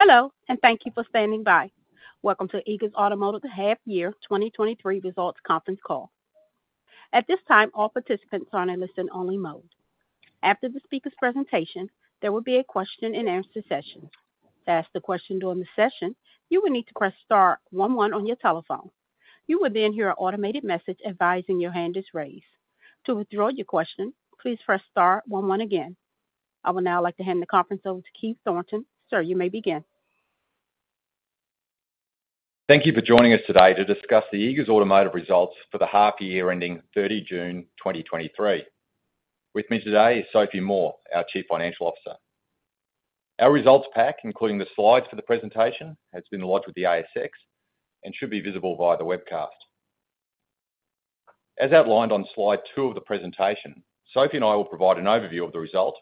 Hello, and thank you for standing by. Welcome to Eagers Automotive Half Year 2023 Results Conference Call. At this time, all participants are in listen-only mode. After the speaker's presentation, there will be a question-and-answer session. To ask the question during the session, you will need to press star one one on your telephone. You will then hear an automated message advising your hand is raised. To withdraw your question, please press star one one again. I would now like to hand the conference over to Keith Thornton. Sir, you may begin. Thank you for joining us today to discuss the Eagers Automotive results for the half year ending 30 June 2023. With me today is Sophie Moore, our Chief Financial Officer. Our results pack, including the slides for the presentation, has been lodged with the ASX and should be visible via the webcast. As outlined on slide two of the presentation, Sophie and I will provide an overview of the result,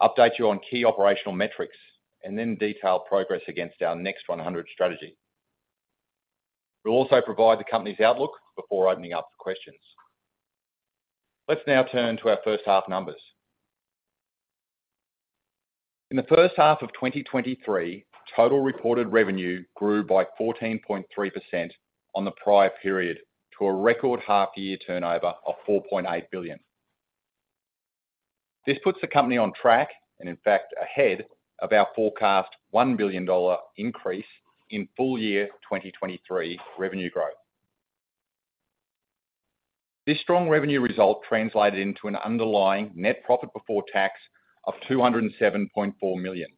update you on key operational metrics, and then detail progress against our Next 100 strategy. We'll also provide the company's outlook before opening up for questions. Let's now turn to our first half numbers. In the first half of 2023, total reported revenue grew by 14.3% on the prior period to a record half year turnover of 4.8 billion. This puts the company on track, and in fact ahead, of our forecast 1 billion dollar increase in full year 2023 revenue growth. This strong revenue result translated into an underlying net profit before tax of 207.4 million,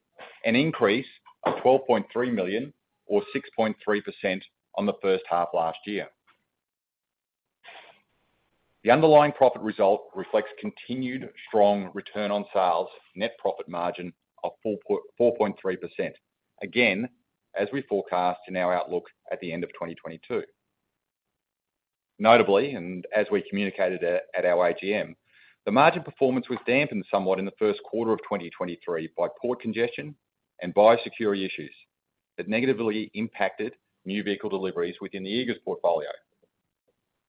an increase of 12.3 million or 6.3% on the first half last year. The underlying profit result reflects continued strong return on sales, net profit margin of 4.3%. Again, as we forecast in our outlook at the end of 2022. Notably, and as we communicated at our AGM, the margin performance was dampened somewhat in the first quarter of 2023 by port congestion and biosecurity issues that negatively impacted new vehicle deliveries within the Eagers portfolio.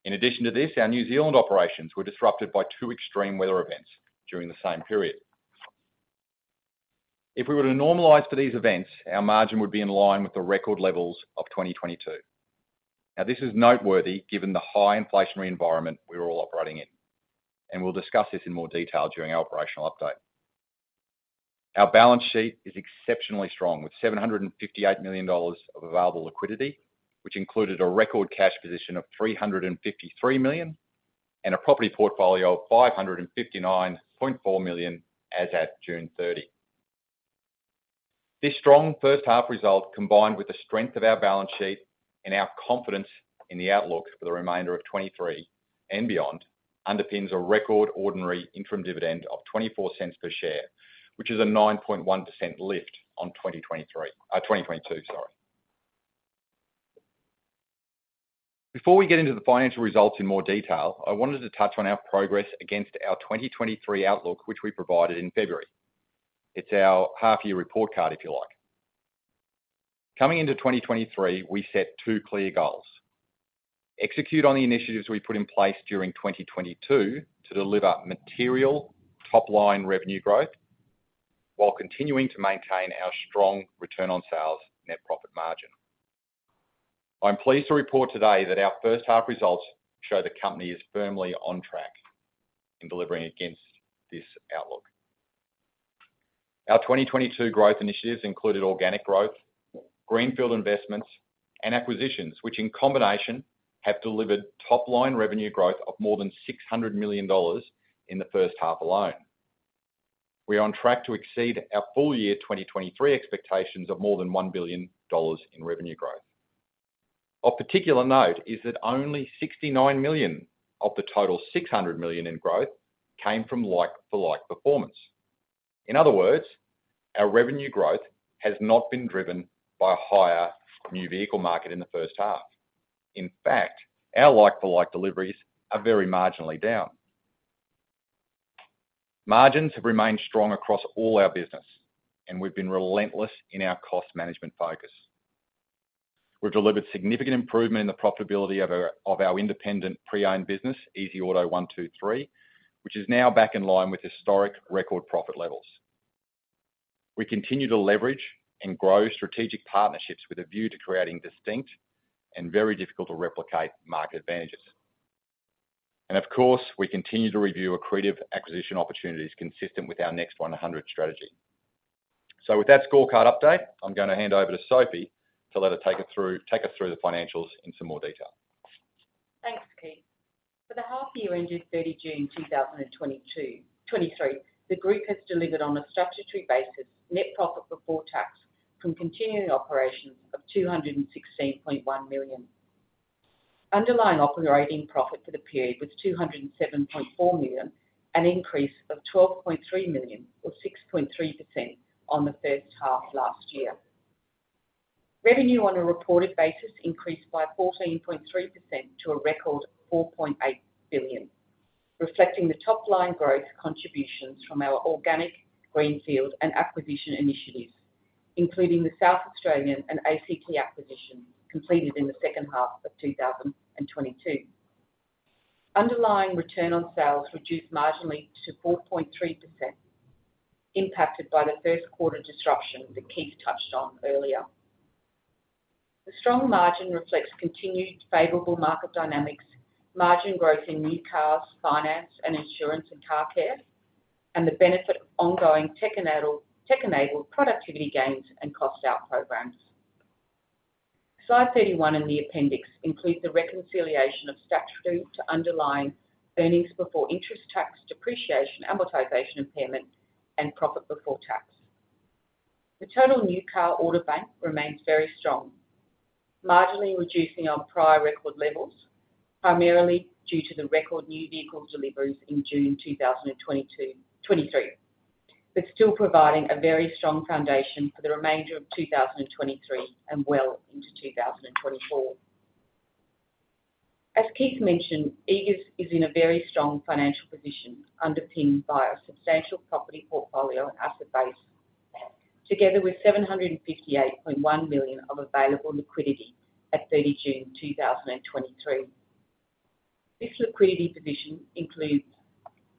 In addition to this, our New Zealand operations were disrupted by two extreme weather events during the same period. If we were to normalize for these events, our margin would be in line with the record levels of 2022. Now, this is noteworthy given the high inflationary environment we're all operating in, and we'll discuss this in more detail during our operational update. Our balance sheet is exceptionally strong, with 758 million dollars of available liquidity, which included a record cash position of 353 million and a property portfolio of 559.4 million as at June 30. This strong first half result, combined with the strength of our balance sheet and our confidence in the outlook for the remainder of 2023 and beyond, underpins a record ordinary interim dividend of 0.24 per share, which is a 9.1% lift on 2022. Before we get into the financial results in more detail, I wanted to touch on our progress against our 2023 outlook, which we provided in February. It's our half year report card, if you like. Coming into 2023, we set two clear goals: execute on the initiatives we put in place during 2022 to deliver material top-line revenue growth, while continuing to maintain our strong return on sales net profit margin. I'm pleased to report today that our first half results show the company is firmly on track in delivering against this outlook. Our 2022 growth initiatives included organic growth, greenfield investments and acquisitions, which in combination have delivered top-line revenue growth of more than 600 million dollars in the first half alone. We are on track to exceed our full year 2023 expectations of more than 1 billion dollars in revenue growth. Of particular note is that only 69 million of the total 600 million in growth came from like-for-like performance. In other words, our revenue growth has not been driven by a higher new vehicle market in the first half. In fact, our like-for-like deliveries are very marginally down. Margins have remained strong across all our business, and we've been relentless in our cost management focus. We've delivered significant improvement in the profitability of our independent pre-owned business, easyauto123, which is now back in line with historic record profit levels. We continue to leverage and grow strategic partnerships with a view to creating distinct and very difficult-to-replicate market advantages. And of course, we continue to review accretive acquisition opportunities consistent with our Next 100 strategy. So with that scorecard update, I'm going to hand over to Sophie to let her take us through the financials in some more detail. Thanks, Keith. For the half year ended 30 June 2022-2023, the group has delivered on a statutory basis, net profit before tax from continuing operations of 216.1 million. Underlying operating profit for the period was 207.4 million, an increase of 12.3 million, or 6.3% on the first half last year. Revenue on a reported basis increased by 14.3% to a record 4.8 billion, reflecting the top-line growth contributions from our organic, greenfield and acquisition initiatives, including the South Australian and ACT acquisitions completed in the second half of 2022. Underlying return on sales reduced marginally to 4.3%, impacted by the first quarter disruption that Keith touched on earlier. The strong margin reflects continued favorable market dynamics, margin growth in new cars, finance and insurance, and car care, and the benefit of ongoing tech-enable, tech-enabled productivity gains and cost out programs. Slide 31 in the appendix includes the reconciliation of statutory to underlying earnings before interest, tax, depreciation, amortization, impairment, and profit before tax. The total new car order bank remains very strong, marginally reducing on prior record levels, primarily due to the record new vehicle deliveries in June 2022, 2023. But still providing a very strong foundation for the remainder of 2023, and well into 2024. As Keith mentioned, Eagers is in a very strong financial position, underpinned by a substantial property portfolio and asset base. Together with 758.1 million of available liquidity at 30 June 2023. This liquidity position includes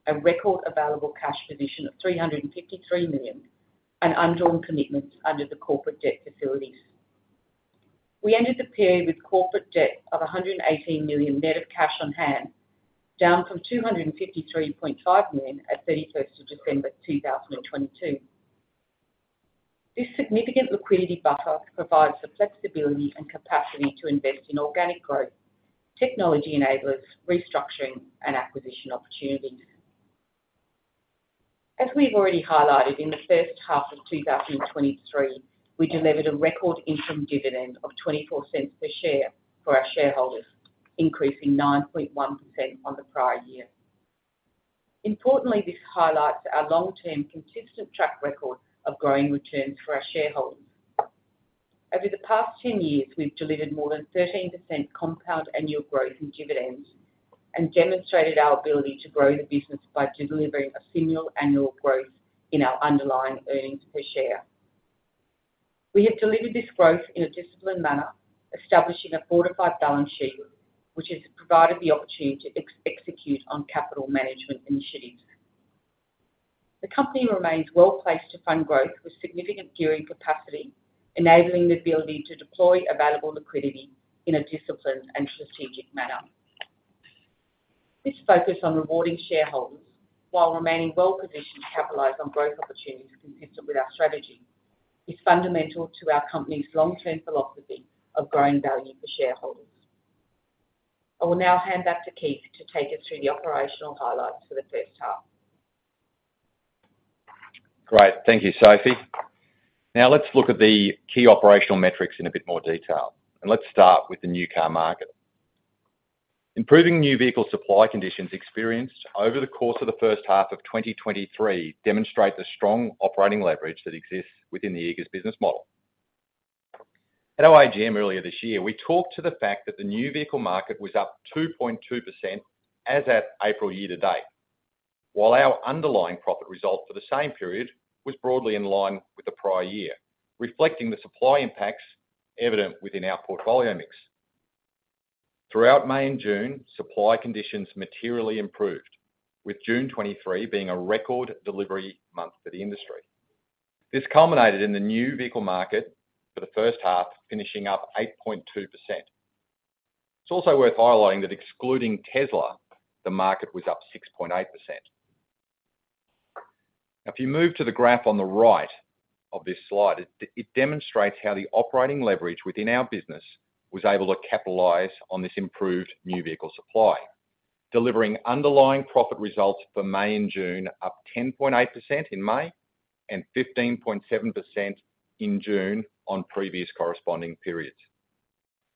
a record available cash position of 353 million, and undrawn commitments under the corporate debt facilities. We ended the period with corporate debt of 118 million, net of cash on hand, down from 253.5 million at 31 December 2022. This significant liquidity buffer provides the flexibility and capacity to invest in organic growth, technology enablers, restructuring, and acquisition opportunities. As we've already highlighted, in the first half of 2023, we delivered a record interim dividend of 0.24 per share for our shareholders, increasing 9.1% on the prior year. Importantly, this highlights our long-term consistent track record of growing returns for our shareholders. Over the past 10 years, we've delivered more than 13% compound annual growth in dividends, and demonstrated our ability to grow the business by delivering a similar annual growth in our underlying earnings per share. We have delivered this growth in a disciplined manner, establishing a fortified balance sheet, which has provided the opportunity to execute on capital management initiatives. The company remains well placed to fund growth with significant gearing capacity, enabling the ability to deploy available liquidity in a disciplined and strategic manner. This focus on rewarding shareholders, while remaining well positioned to capitalize on growth opportunities consistent with our strategy, is fundamental to our company's long-term philosophy of growing value for shareholders. I will now hand back to Keith to take us through the operational highlights for the first half. Great. Thank you, Sophie. Now, let's look at the key operational metrics in a bit more detail, and let's start with the new car market. Improving new vehicle supply conditions experienced over the course of the first half of 2023, demonstrate the strong operating leverage that exists within the Eagers business model. At our AGM earlier this year, we talked to the fact that the new vehicle market was up 2.2% as at April year to date, while our underlying profit result for the same period was broadly in line with the prior year, reflecting the supply impacts evident within our portfolio mix. Throughout May and June, supply conditions materially improved, with June 2023 being a record delivery month for the industry. This culminated in the new vehicle market for the first half, finishing up 8.2%. It's also worth highlighting that excluding Tesla, the market was up 6.8%. If you move to the graph on the right of this slide, it demonstrates how the operating leverage within our business was able to capitalize on this improved new vehicle supply. Delivering underlying profit results for May and June, up 10.8% in May, and 15.7% in June on previous corresponding periods.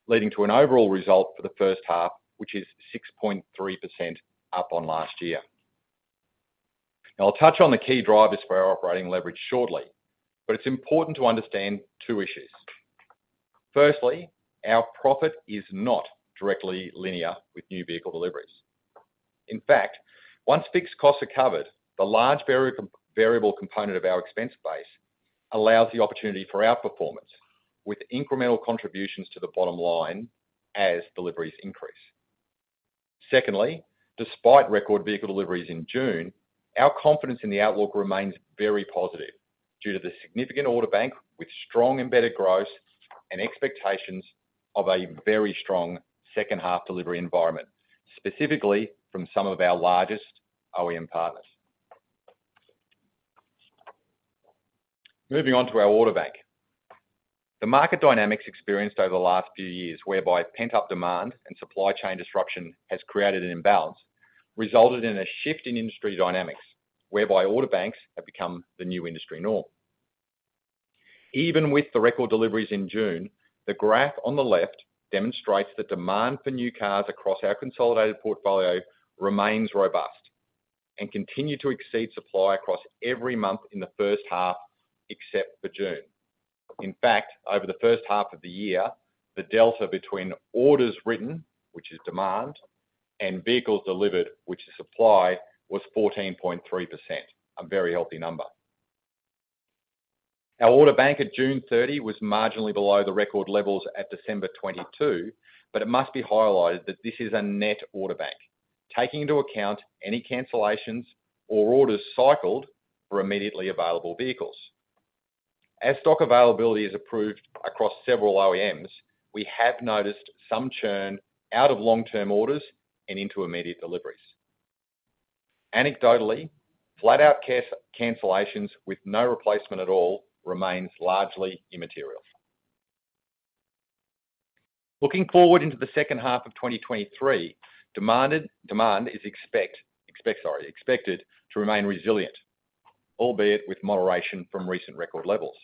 Leading to an overall result for the first half, which is 6.3% up on last year. Now, I'll touch on the key drivers for our operating leverage shortly, but it's important to understand two issues. Firstly, our profit is not directly linear with new vehicle deliveries. In fact, once fixed costs are covered, the large variable component of our expense base allows the opportunity for outperformance, with incremental contributions to the bottom line as deliveries increase. Secondly, despite record vehicle deliveries in June, our confidence in the outlook remains very positive due to the significant order bank, with strong embedded growth and expectations of a very strong second half delivery environment, specifically from some of our largest OEM partners. Moving on to our order bank. The market dynamics experienced over the last few years, whereby pent-up demand and supply chain disruption has created an imbalance, resulted in a shift in industry dynamics, whereby order banks have become the new industry norm. Even with the record deliveries in June, the graph on the left demonstrates that demand for new cars across our consolidated portfolio remains robust, and continue to exceed supply across every month in the first half, except for June. In fact, over the first half of the year, the delta between orders written, which is demand, and vehicles delivered, which is supply, was 14.3%, a very healthy number... Our order bank at June 30 was marginally below the record levels at December 2022, but it must be highlighted that this is a net order bank, taking into account any cancellations or orders cycled for immediately available vehicles. As stock availability is approved across several OEMs, we have noticed some churn out of long-term orders and into immediate deliveries. Anecdotally, flat-out care, cancellations with no replacement at all remains largely immaterial. Looking forward into the second half of 2023, demand is expected to remain resilient, albeit with moderation from recent record levels.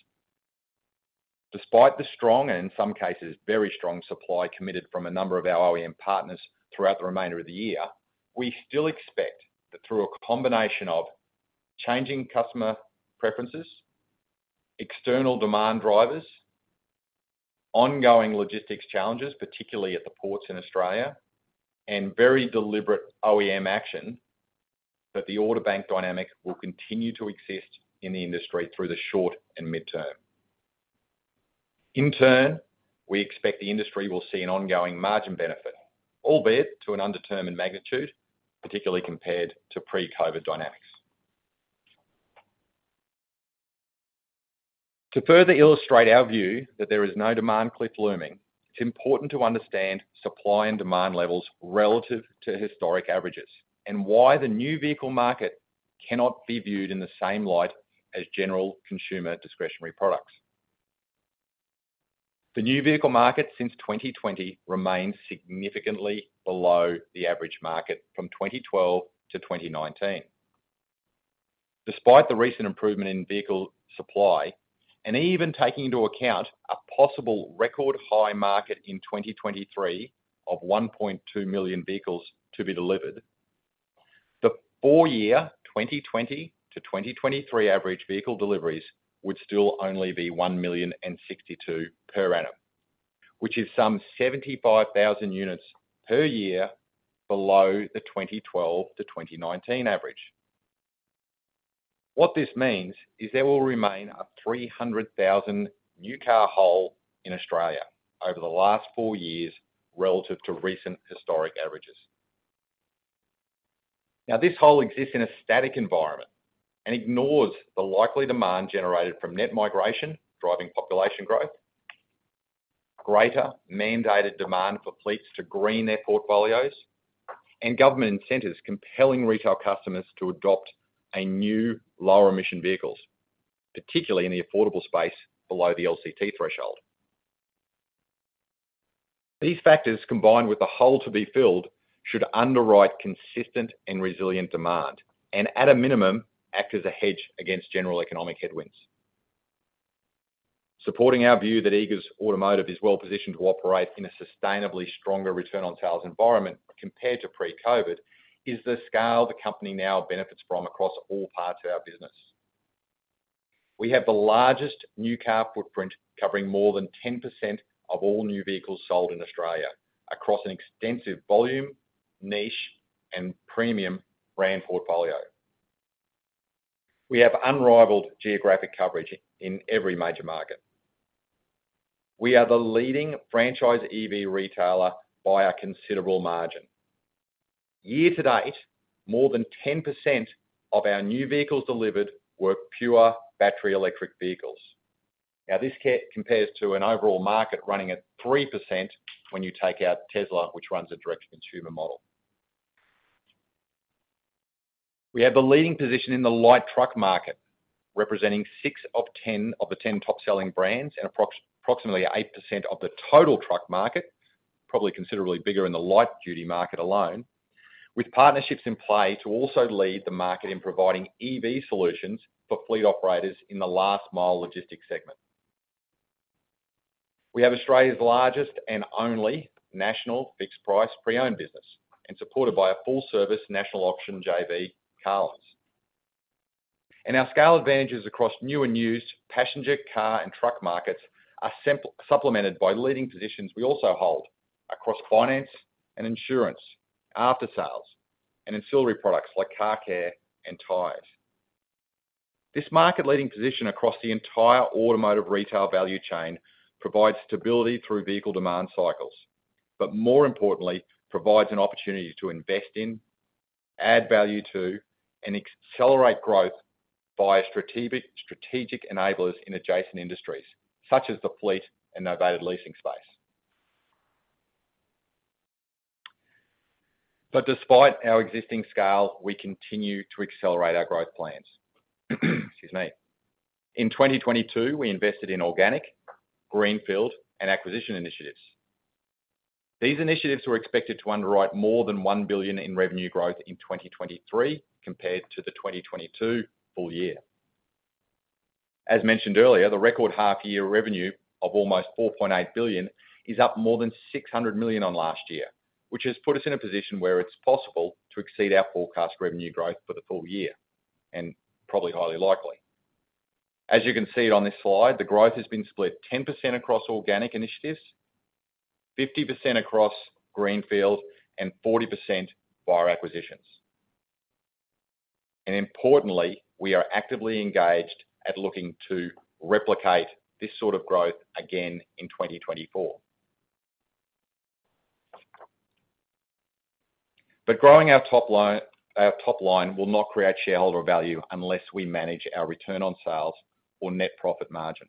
Despite the strong and in some cases, very strong supply committed from a number of our OEM partners throughout the remainder of the year, we still expect that through a combination of changing customer preferences, external demand drivers, ongoing logistics challenges, particularly at the ports in Australia, and very deliberate OEM action, that the order bank dynamic will continue to exist in the industry through the short and midterm. In turn, we expect the industry will see an ongoing margin benefit, albeit to an undetermined magnitude, particularly compared to pre-COVID dynamics. To further illustrate our view that there is no demand cliff looming, it's important to understand supply and demand levels relative to historic averages, and why the new vehicle market cannot be viewed in the same light as general consumer discretionary products. The new vehicle market since 2020 remains significantly below the average market from 2012 to 2019. Despite the recent improvement in vehicle supply and even taking into account a possible record high market in 2023 of 1.2 million vehicles to be delivered, the four-year, 2020 to 2023 average vehicle deliveries would still only be 1,062 per annum, which is some 75,000 units per year below the 2012 to 2019 average. What this means is there will remain a 300,000 new car hole in Australia over the last four years relative to recent historic averages. Now, this hole exists in a static environment and ignores the likely demand generated from net migration, driving population growth, greater mandated demand for fleets to green their portfolios, and government incentives compelling retail customers to adopt a new lower emission vehicles, particularly in the affordable space below the LCT threshold. These factors, combined with the hole to be filled, should underwrite consistent and resilient demand, and at a minimum, act as a hedge against general economic headwinds. Supporting our view that Eagers Automotive is well positioned to operate in a sustainably stronger return on sales environment compared to pre-COVID, is the scale the company now benefits from across all parts of our business. We have the largest new car footprint, covering more than 10% of all new vehicles sold in Australia across an extensive volume, niche, and premium brand portfolio. We have unrivaled geographic coverage in every major market. We are the leading franchise EV retailer by a considerable margin. Year to date, more than 10% of our new vehicles delivered were pure battery electric vehicles. Now, this compares to an overall market running at 3% when you take out Tesla, which runs a direct-to-consumer model. We have the leading position in the light truck market, representing six of the 10 top-selling brands and approximately 8% of the total truck market, probably considerably bigger in the light-duty market alone, with partnerships in play to also lead the market in providing EV solutions for fleet operators in the last mile logistics segment. We have Australia's largest and only national fixed-price pre-owned business, supported by a full-service national auction, JV Carlins. Our scale advantages across new and used passenger, car, and truck markets are supplemented by leading positions we also hold across finance and insurance, aftersales, and ancillary products like car care and tires. This market-leading position across the entire automotive retail value chain provides stability through vehicle demand cycles, but more importantly, provides an opportunity to invest in, add value to, and accelerate growth via strategic enablers in adjacent industries such as the fleet and novated leasing space. Despite our existing scale, we continue to accelerate our growth plans. Excuse me. In 2022, we invested in organic, greenfield, and acquisition initiatives. These initiatives were expected to underwrite more than 1 billion in revenue growth in 2023 compared to the 2022 full year. As mentioned earlier, the record half-year revenue of almost 4.8 billion is up more than 600 million on last year, which has put us in a position where it's possible to exceed our forecast revenue growth for the full year, and probably highly likely. As you can see on this slide, the growth has been split 10% across organic initiatives, 50% across greenfield, and 40% via acquisitions.... And importantly, we are actively engaged at looking to replicate this sort of growth again in 2024. But growing our top line, our top line will not create shareholder value unless we manage our return on sales or net profit margin.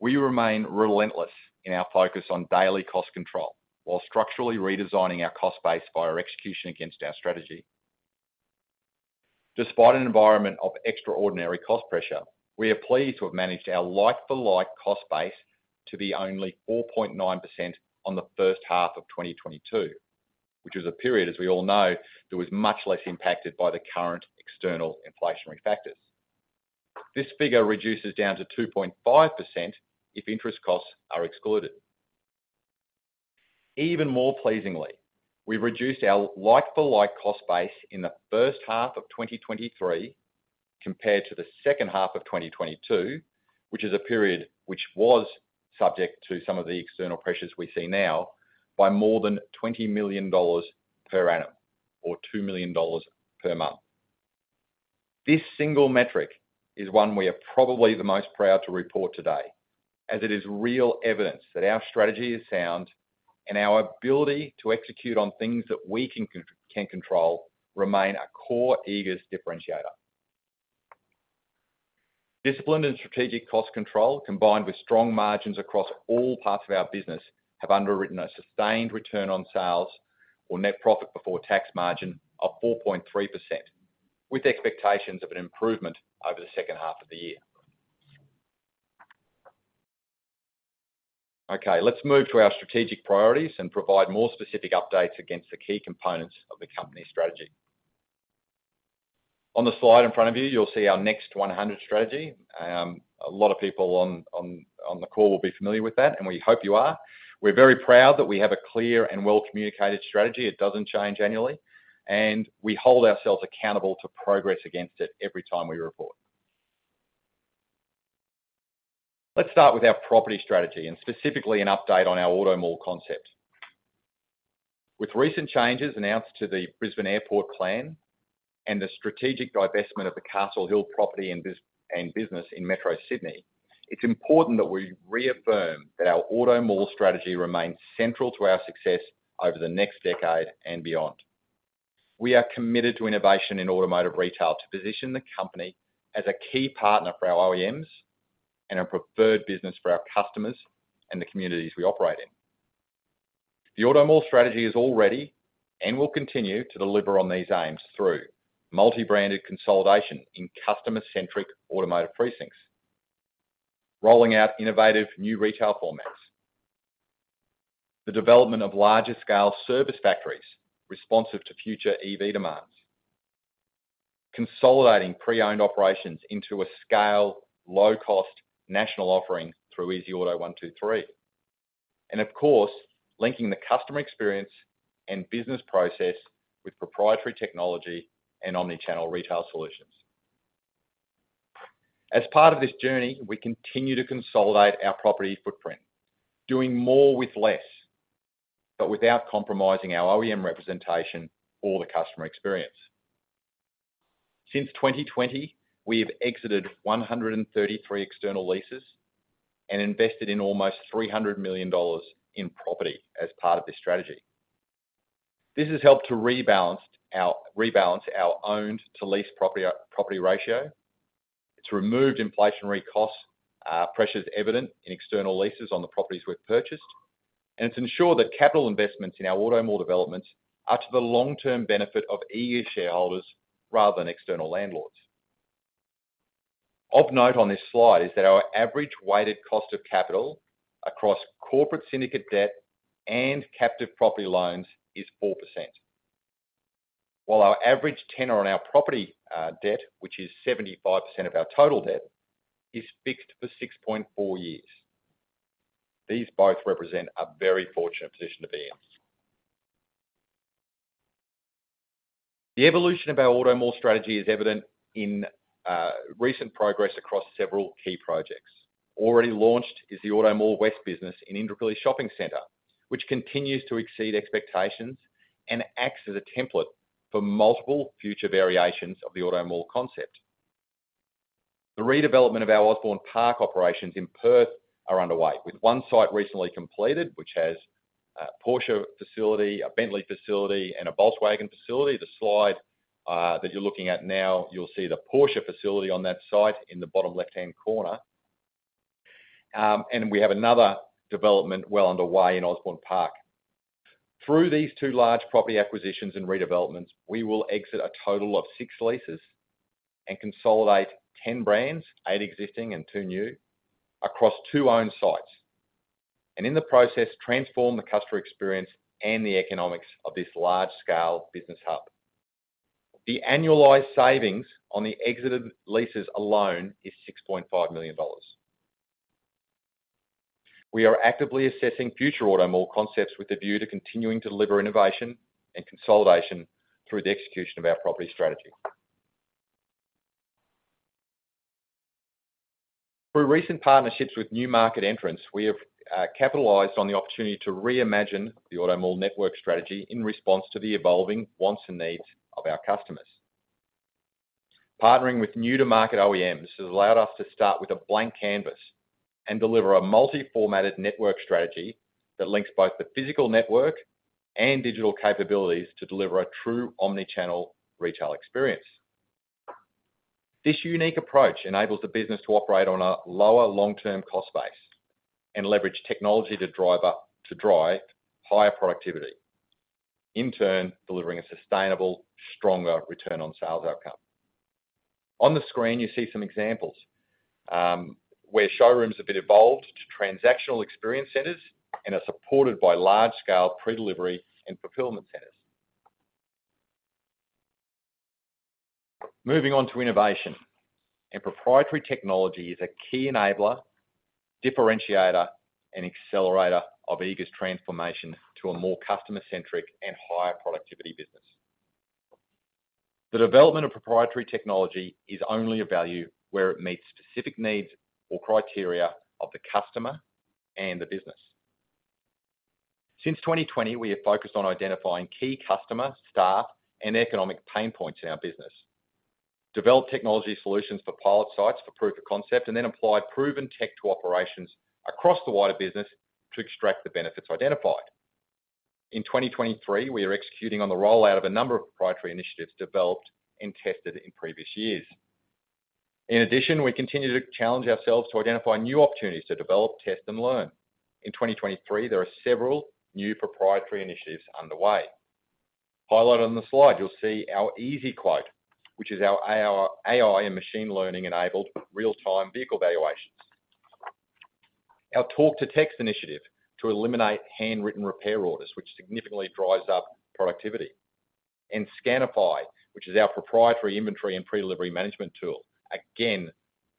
We remain relentless in our focus on daily cost control, while structurally redesigning our cost base via execution against our strategy. Despite an environment of extraordinary cost pressure, we are pleased to have managed our like-for-like cost base to be only 4.9% on the first half of 2022, which is a period, as we all know, that was much less impacted by the current external inflationary factors. This figure reduces down to 2.5% if interest costs are excluded. Even more pleasingly, we've reduced our like-for-like cost base in the first half of 2023 compared to the second half of 2022, which is a period which was subject to some of the external pressures we see now, by more than 20 million dollars per annum or 2 million dollars per month. This single metric is one we are probably the most proud to report today, as it is real evidence that our strategy is sound and our ability to execute on things that we can control remain a core Eagers differentiator. Discipline and strategic cost control, combined with strong margins across all parts of our business, have underwritten a sustained return on sales or net profit before tax margin of 4.3%, with expectations of an improvement over the second half of the year. Okay, let's move to our strategic priorities and provide more specific updates against the key components of the company strategy. On the slide in front of you, you'll see our Next 100 strategy. A lot of people on the call will be familiar with that, and we hope you are. We're very proud that we have a clear and well-communicated strategy. It doesn't change annually, and we hold ourselves accountable to progress against it every time we report. Let's start with our property strategy and specifically an update on our AutoMall concept. With recent changes announced to the Brisbane Airport plan and the strategic divestment of the Castle Hill property and business in Metro Sydney, it's important that we reaffirm that our AutoMall strategy remains central to our success over the next decade and beyond. We are committed to innovation in automotive retail to position the company as a key partner for our OEMs and a preferred business for our customers and the communities we operate in. The AutoMall strategy is already and will continue to deliver on these aims through multi-branded consolidation in customer-centric automotive precincts, rolling out innovative new retail formats, the development of larger scale service factories responsive to future EV demands, consolidating pre-owned operations into a scale, low-cost national offering through easyauto123, and of course, linking the customer experience and business process with proprietary technology and omni-channel retail solutions. As part of this journey, we continue to consolidate our property footprint, doing more with less, but without compromising our OEM representation or the customer experience. Since 2020, we have exited 133 external leases and invested in almost 300 million dollars in property as part of this strategy. This has helped to rebalance our owned to lease property ratio. It's removed inflationary costs, pressures evident in external leases on the properties we've purchased, and it's ensured that capital investments in our AutoMall developments are to the long-term benefit of Eagers shareholders rather than external landlords. Of note on this slide is that our average weighted cost of capital across corporate syndicate debt and captive property loans is 4%. While our average tenor on our property debt, which is 75% of our total debt, is fixed for 6.4 years. These both represent a very fortunate position to be in. The evolution of our AutoMall strategy is evident in recent progress across several key projects. Already launched is the AutoMall West business in Indooroopilly Shopping Centre, which continues to exceed expectations and acts as a template for multiple future variations of the AutoMall concept. The redevelopment of our Osborne Park operations in Perth are underway, with one site recently completed, which has a Porsche facility, a Bentley facility, and a Volkswagen facility. The slide that you're looking at now, you'll see the Porsche facility on that site in the bottom left-hand corner. We have another development well underway in Osborne Park. Through these two large property acquisitions and redevelopments, we will exit a total of six leases and consolidate 10 brands, eight existing and two new, across two owned sites, and in the process, transform the customer experience and the economics of this large-scale business hub. The annualized savings on the exited leases alone is 6.5 million dollars. We are actively assessing future AutoMall concepts with a view to continuing to deliver innovation and consolidation through the execution of our property strategy. Through recent partnerships with new market entrants, we have capitalized on the opportunity to reimagine the AutoMall network strategy in response to the evolving wants and needs of our customers. Partnering with new-to-market OEMs has allowed us to start with a blank canvas and deliver a multi-formatted network strategy that links both the physical network and digital capabilities to deliver a true omni-channel retail experience. This unique approach enables the business to operate on a lower long-term cost base and leverage technology to drive higher productivity. In turn, delivering a sustainable, stronger return on sales outcome. On the screen, you see some examples, where showrooms have been evolved to transactional experience centers and are supported by large-scale pre-delivery and fulfillment centers. Moving on to innovation, proprietary technology is a key enabler, differentiator, and accelerator of Eagers transformation to a more customer-centric and higher productivity business. The development of proprietary technology is only of value where it meets specific needs or criteria of the customer and the business. Since 2020, we have focused on identifying key customer, staff, and economic pain points in our business. Developed technology solutions for pilot sites for proof of concept, and then applied proven tech to operations across the wider business to extract the benefits identified. In 2023, we are executing on the rollout of a number of proprietary initiatives developed and tested in previous years. In addition, we continue to challenge ourselves to identify new opportunities to develop, test, and learn. In 2023, there are several new proprietary initiatives underway. Highlighted on the slide, you'll see our easyQuote, which is our AI and machine learning-enabled real-time vehicle valuations. Our Talk to Text initiative, to eliminate handwritten repair orders, which significantly drives up productivity. And Scanify, which is our proprietary inventory and pre-delivery management tool, again,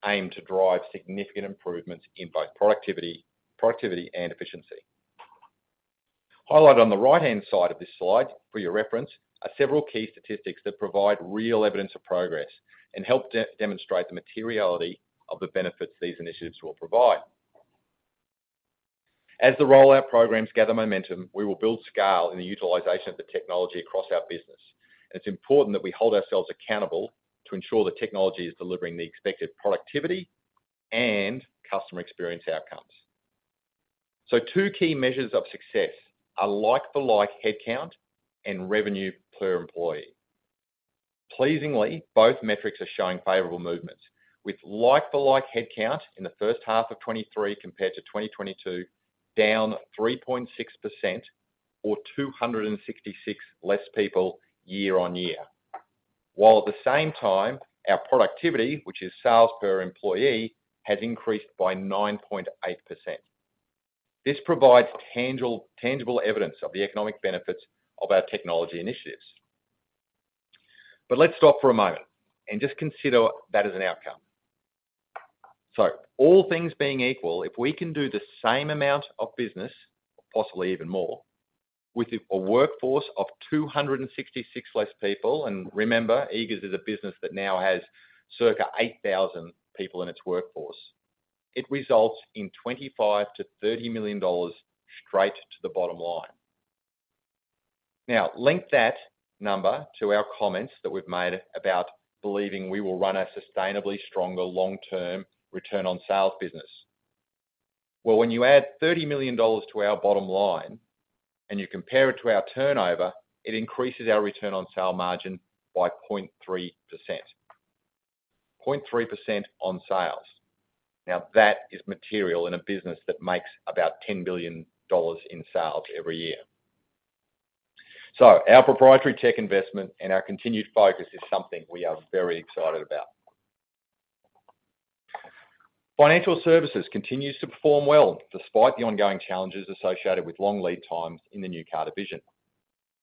aim to drive significant improvements in both productivity, productivity and efficiency. Highlighted on the right-hand side of this slide, for your reference, are several key statistics that provide real evidence of progress and help demonstrate the materiality of the benefits these initiatives will provide. As the rollout programs gather momentum, we will build scale in the utilization of the technology across our business. And it's important that we hold ourselves accountable to ensure the technology is delivering the expected productivity and customer experience outcomes. So two key measures of success are like-for-like headcount and revenue per employee. Pleasingly, both metrics are showing favorable movements, with like-for-like headcount in the first half of 2023 compared to 2022, down 3.6% or 266 less people year on year. While at the same time, our productivity, which is sales per employee, has increased by 9.8%. This provides tangible evidence of the economic benefits of our technology initiatives. But let's stop for a moment and just consider that as an outcome. So all things being equal, if we can do the same amount of business, possibly even more, with a workforce of 266 less people, and remember, Eagers is a business that now has circa 8,000 people in its workforce, it results in 25 million-30 million dollars straight to the bottom line. Now, link that number to our comments that we've made about believing we will run a sustainably stronger long-term return on sales business. Well, when you add 30 million dollars to our bottom line, and you compare it to our turnover, it increases our return on sale margin by 0.3%. 0.3% on sales. Now, that is material in a business that makes about 10 billion dollars in sales every year. So our proprietary tech investment and our continued focus is something we are very excited about. Financial services continues to perform well, despite the ongoing challenges associated with long lead times in the new car division.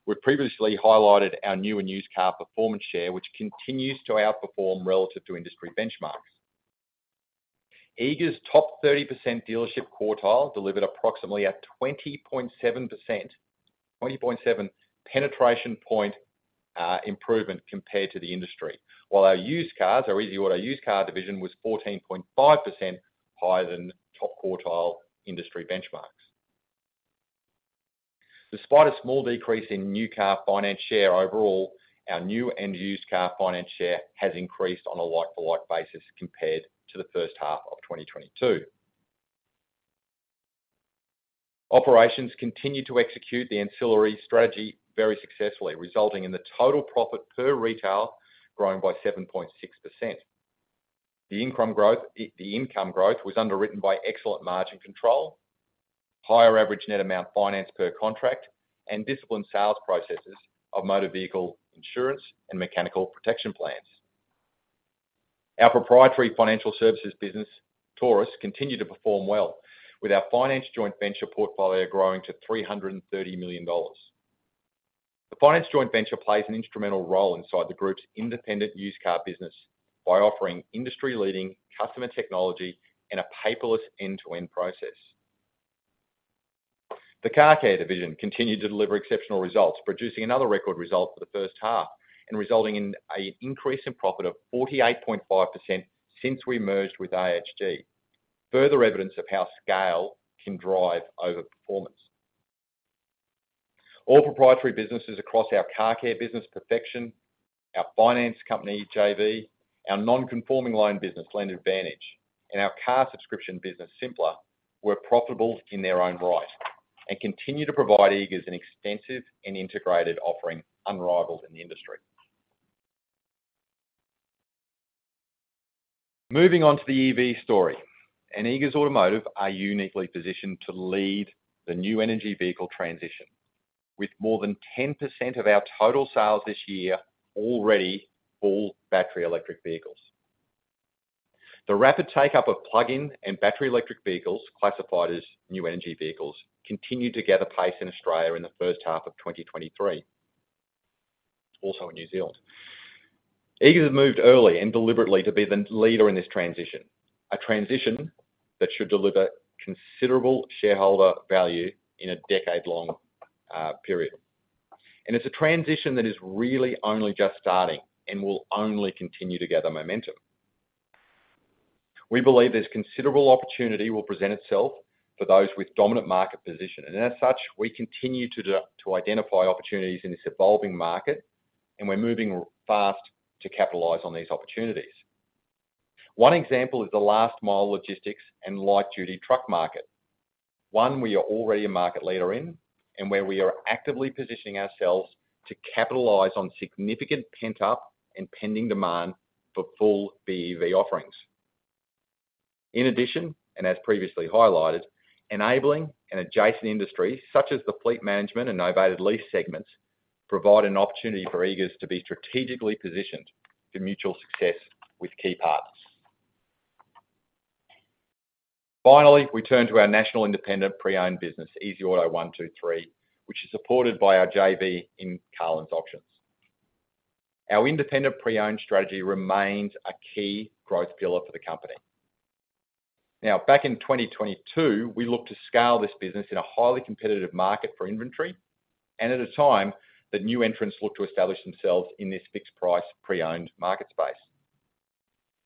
We've previously highlighted our new and used car performance share, which continues to outperform relative to industry benchmarks. Eagers top 30% dealership quartile delivered approximately a 20.7%--20.7 penetration point improvement compared to the industry. While our used cars or EasyAuto used car division was 14.5% higher than top quartile industry benchmarks. Despite a small decrease in new car finance share overall, our new and used car finance share has increased on a like-for-like basis compared to the first half of 2022. Operations continue to execute the ancillary strategy very successfully, resulting in the total profit per retail growing by 7.6%. The income growth, the income growth was underwritten by excellent margin control, higher average net amount finance per contract, and disciplined sales processes of motor vehicle insurance and mechanical protection plans. Our proprietary financial services business, Taurus, continued to perform well, with our finance joint venture portfolio growing to 330 million dollars. The finance joint venture plays an instrumental role inside the group's independent used car business by offering industry-leading customer technology and a paperless end-to-end process.... The car care division continued to deliver exceptional results, producing another record result for the first half, and resulting in a increase in profit of 48.5% since we merged with AHG. Further evidence of how scale can drive over performance. All proprietary businesses across our car care business, Perfexion, our finance company, JV, our non-conforming loan business, Lender Advantage, and our car subscription business, Simplr, were profitable in their own right and continue to provide Eagers an extensive and integrated offering, unrivaled in the industry. Moving on to the EV story, and Eagers Automotive are uniquely positioned to lead the new energy vehicle transition, with more than 10% of our total sales this year already all battery electric vehicles. The rapid take-up of plug-in and battery electric vehicles, classified as new energy vehicles, continued to gather pace in Australia in the first half of 2023, also in New Zealand. Eagers has moved early and deliberately to be the leader in this transition, a transition that should deliver considerable shareholder value in a decade-long period. And it's a transition that is really only just starting and will only continue to gather momentum. We believe this considerable opportunity will present itself for those with dominant market position, and as such, we continue to identify opportunities in this evolving market, and we're moving fast to capitalize on these opportunities. One example is the last mile logistics and light-duty truck market. One, we are already a market leader in, and where we are actively positioning ourselves to capitalize on significant pent-up and pending demand for full BEV offerings. In addition, and as previously highlighted, enabling an adjacent industry, such as the fleet management and novated lease segments, provide an opportunity for Eagers to be strategically positioned for mutual success with key partners. Finally, we turn to our national independent pre-owned business, easyauto123, which is supported by our JV in Carlins auction. Our independent pre-owned strategy remains a key growth pillar for the company. Now, back in 2022, we looked to scale this business in a highly competitive market for inventory and at a time that new entrants looked to establish themselves in this fixed price, pre-owned market space.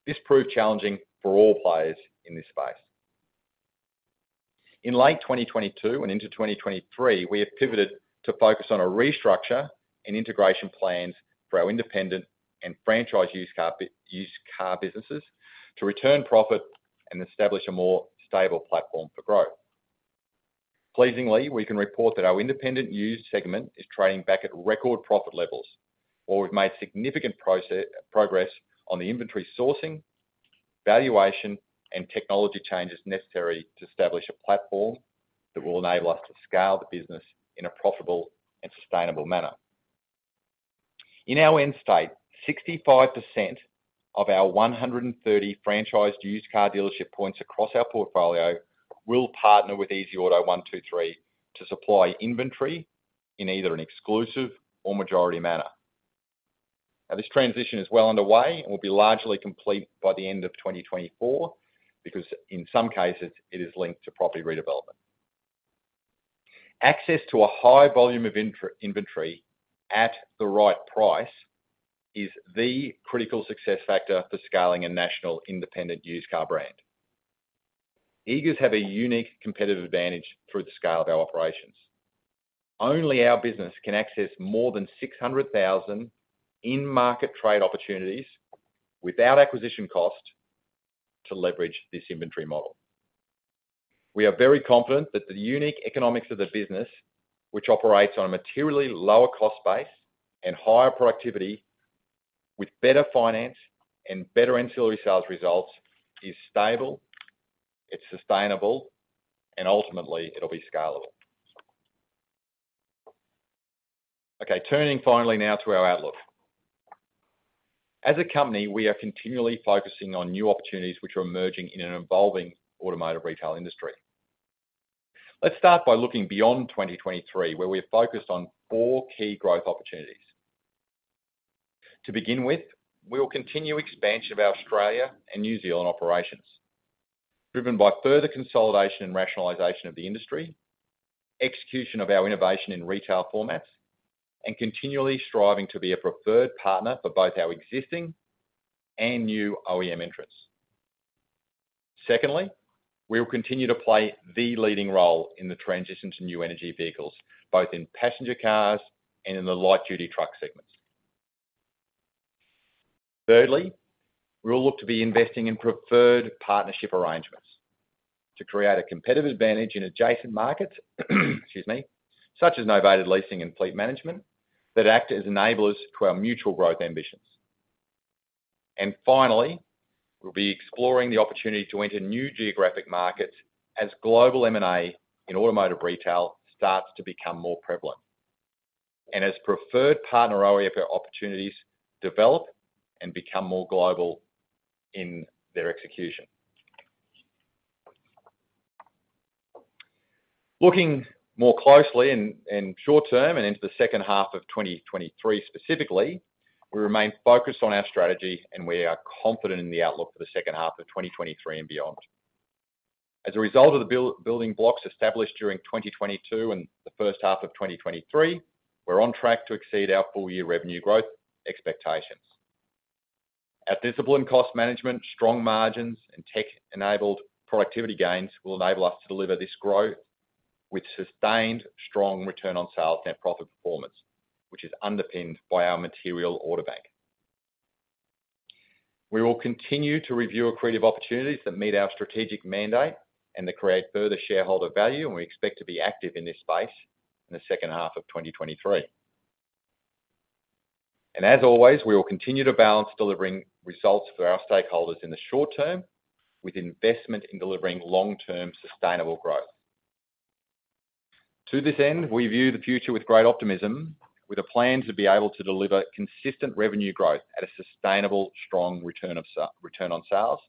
This proved challenging for all players in this space. In late 2022 and into 2023, we have pivoted to focus on a restructure and integration plans for our independent and franchise used car used car businesses, to return profit and establish a more stable platform for growth. Pleasingly, we can report that our independent used segment is trading back at record profit levels, where we've made significant progress on the inventory sourcing, valuation, and technology changes necessary to establish a platform that will enable us to scale the business in a profitable and sustainable manner. In our end state, 65% of our 130 franchised used car dealership points across our portfolio will partner with easyauto123 to supply inventory in either an exclusive or majority manner. Now, this transition is well underway and will be largely complete by the end of 2024 because in some cases it is linked to property redevelopment. Access to a high volume of intra- inventory at the right price is the critical success factor for scaling a national independent used car brand. Eagers have a unique competitive advantage through the scale of our operations. Only our business can access more than 600,000 in-market trade opportunities, without acquisition cost, to leverage this inventory model. We are very confident that the unique economics of the business, which operates on a materially lower cost base and higher productivity with better finance and better ancillary sales results, is stable, it's sustainable, and ultimately, it'll be scalable. Okay, turning finally now to our outlook. As a company, we are continually focusing on new opportunities which are emerging in an evolving automotive retail industry. Let's start by looking beyond 2023, where we are focused on four key growth opportunities. To begin with, we will continue expansion of our Australia and New Zealand operations, driven by further consolidation and rationalization of the industry, execution of our innovation in retail formats, and continually striving to be a preferred partner for both our existing and new OEM interests. Secondly, we will continue to play the leading role in the transition to new energy vehicles, both in passenger cars and in the light-duty truck segments. Thirdly, we'll look to be investing in preferred partnership arrangements to create a competitive advantage in adjacent markets, excuse me, such as novated leasing and fleet management, that act as enablers to our mutual growth ambitions. And finally, we'll be exploring the opportunity to enter new geographic markets as global M&A in automotive retail starts to become more prevalent, and as preferred partner OEM opportunities develop and become more global in their execution. Looking more closely and short term, and into the second half of 2023 specifically. We remain focused on our strategy, and we are confident in the outlook for the second half of 2023 and beyond. As a result of the building blocks established during 2022 and the first half of 2023, we're on track to exceed our full year revenue growth expectations. Our disciplined cost management, strong margins, and tech-enabled productivity gains will enable us to deliver this growth with sustained strong return on sales and profit performance, which is underpinned by our material order bank. We will continue to review accretive opportunities that meet our strategic mandate, and that create further shareholder value, and we expect to be active in this space in the second half of 2023. As always, we will continue to balance delivering results for our stakeholders in the short term, with investment in delivering long-term sustainable growth. To this end, we view the future with great optimism, with a plan to be able to deliver consistent revenue growth at a sustainable, strong return on sales,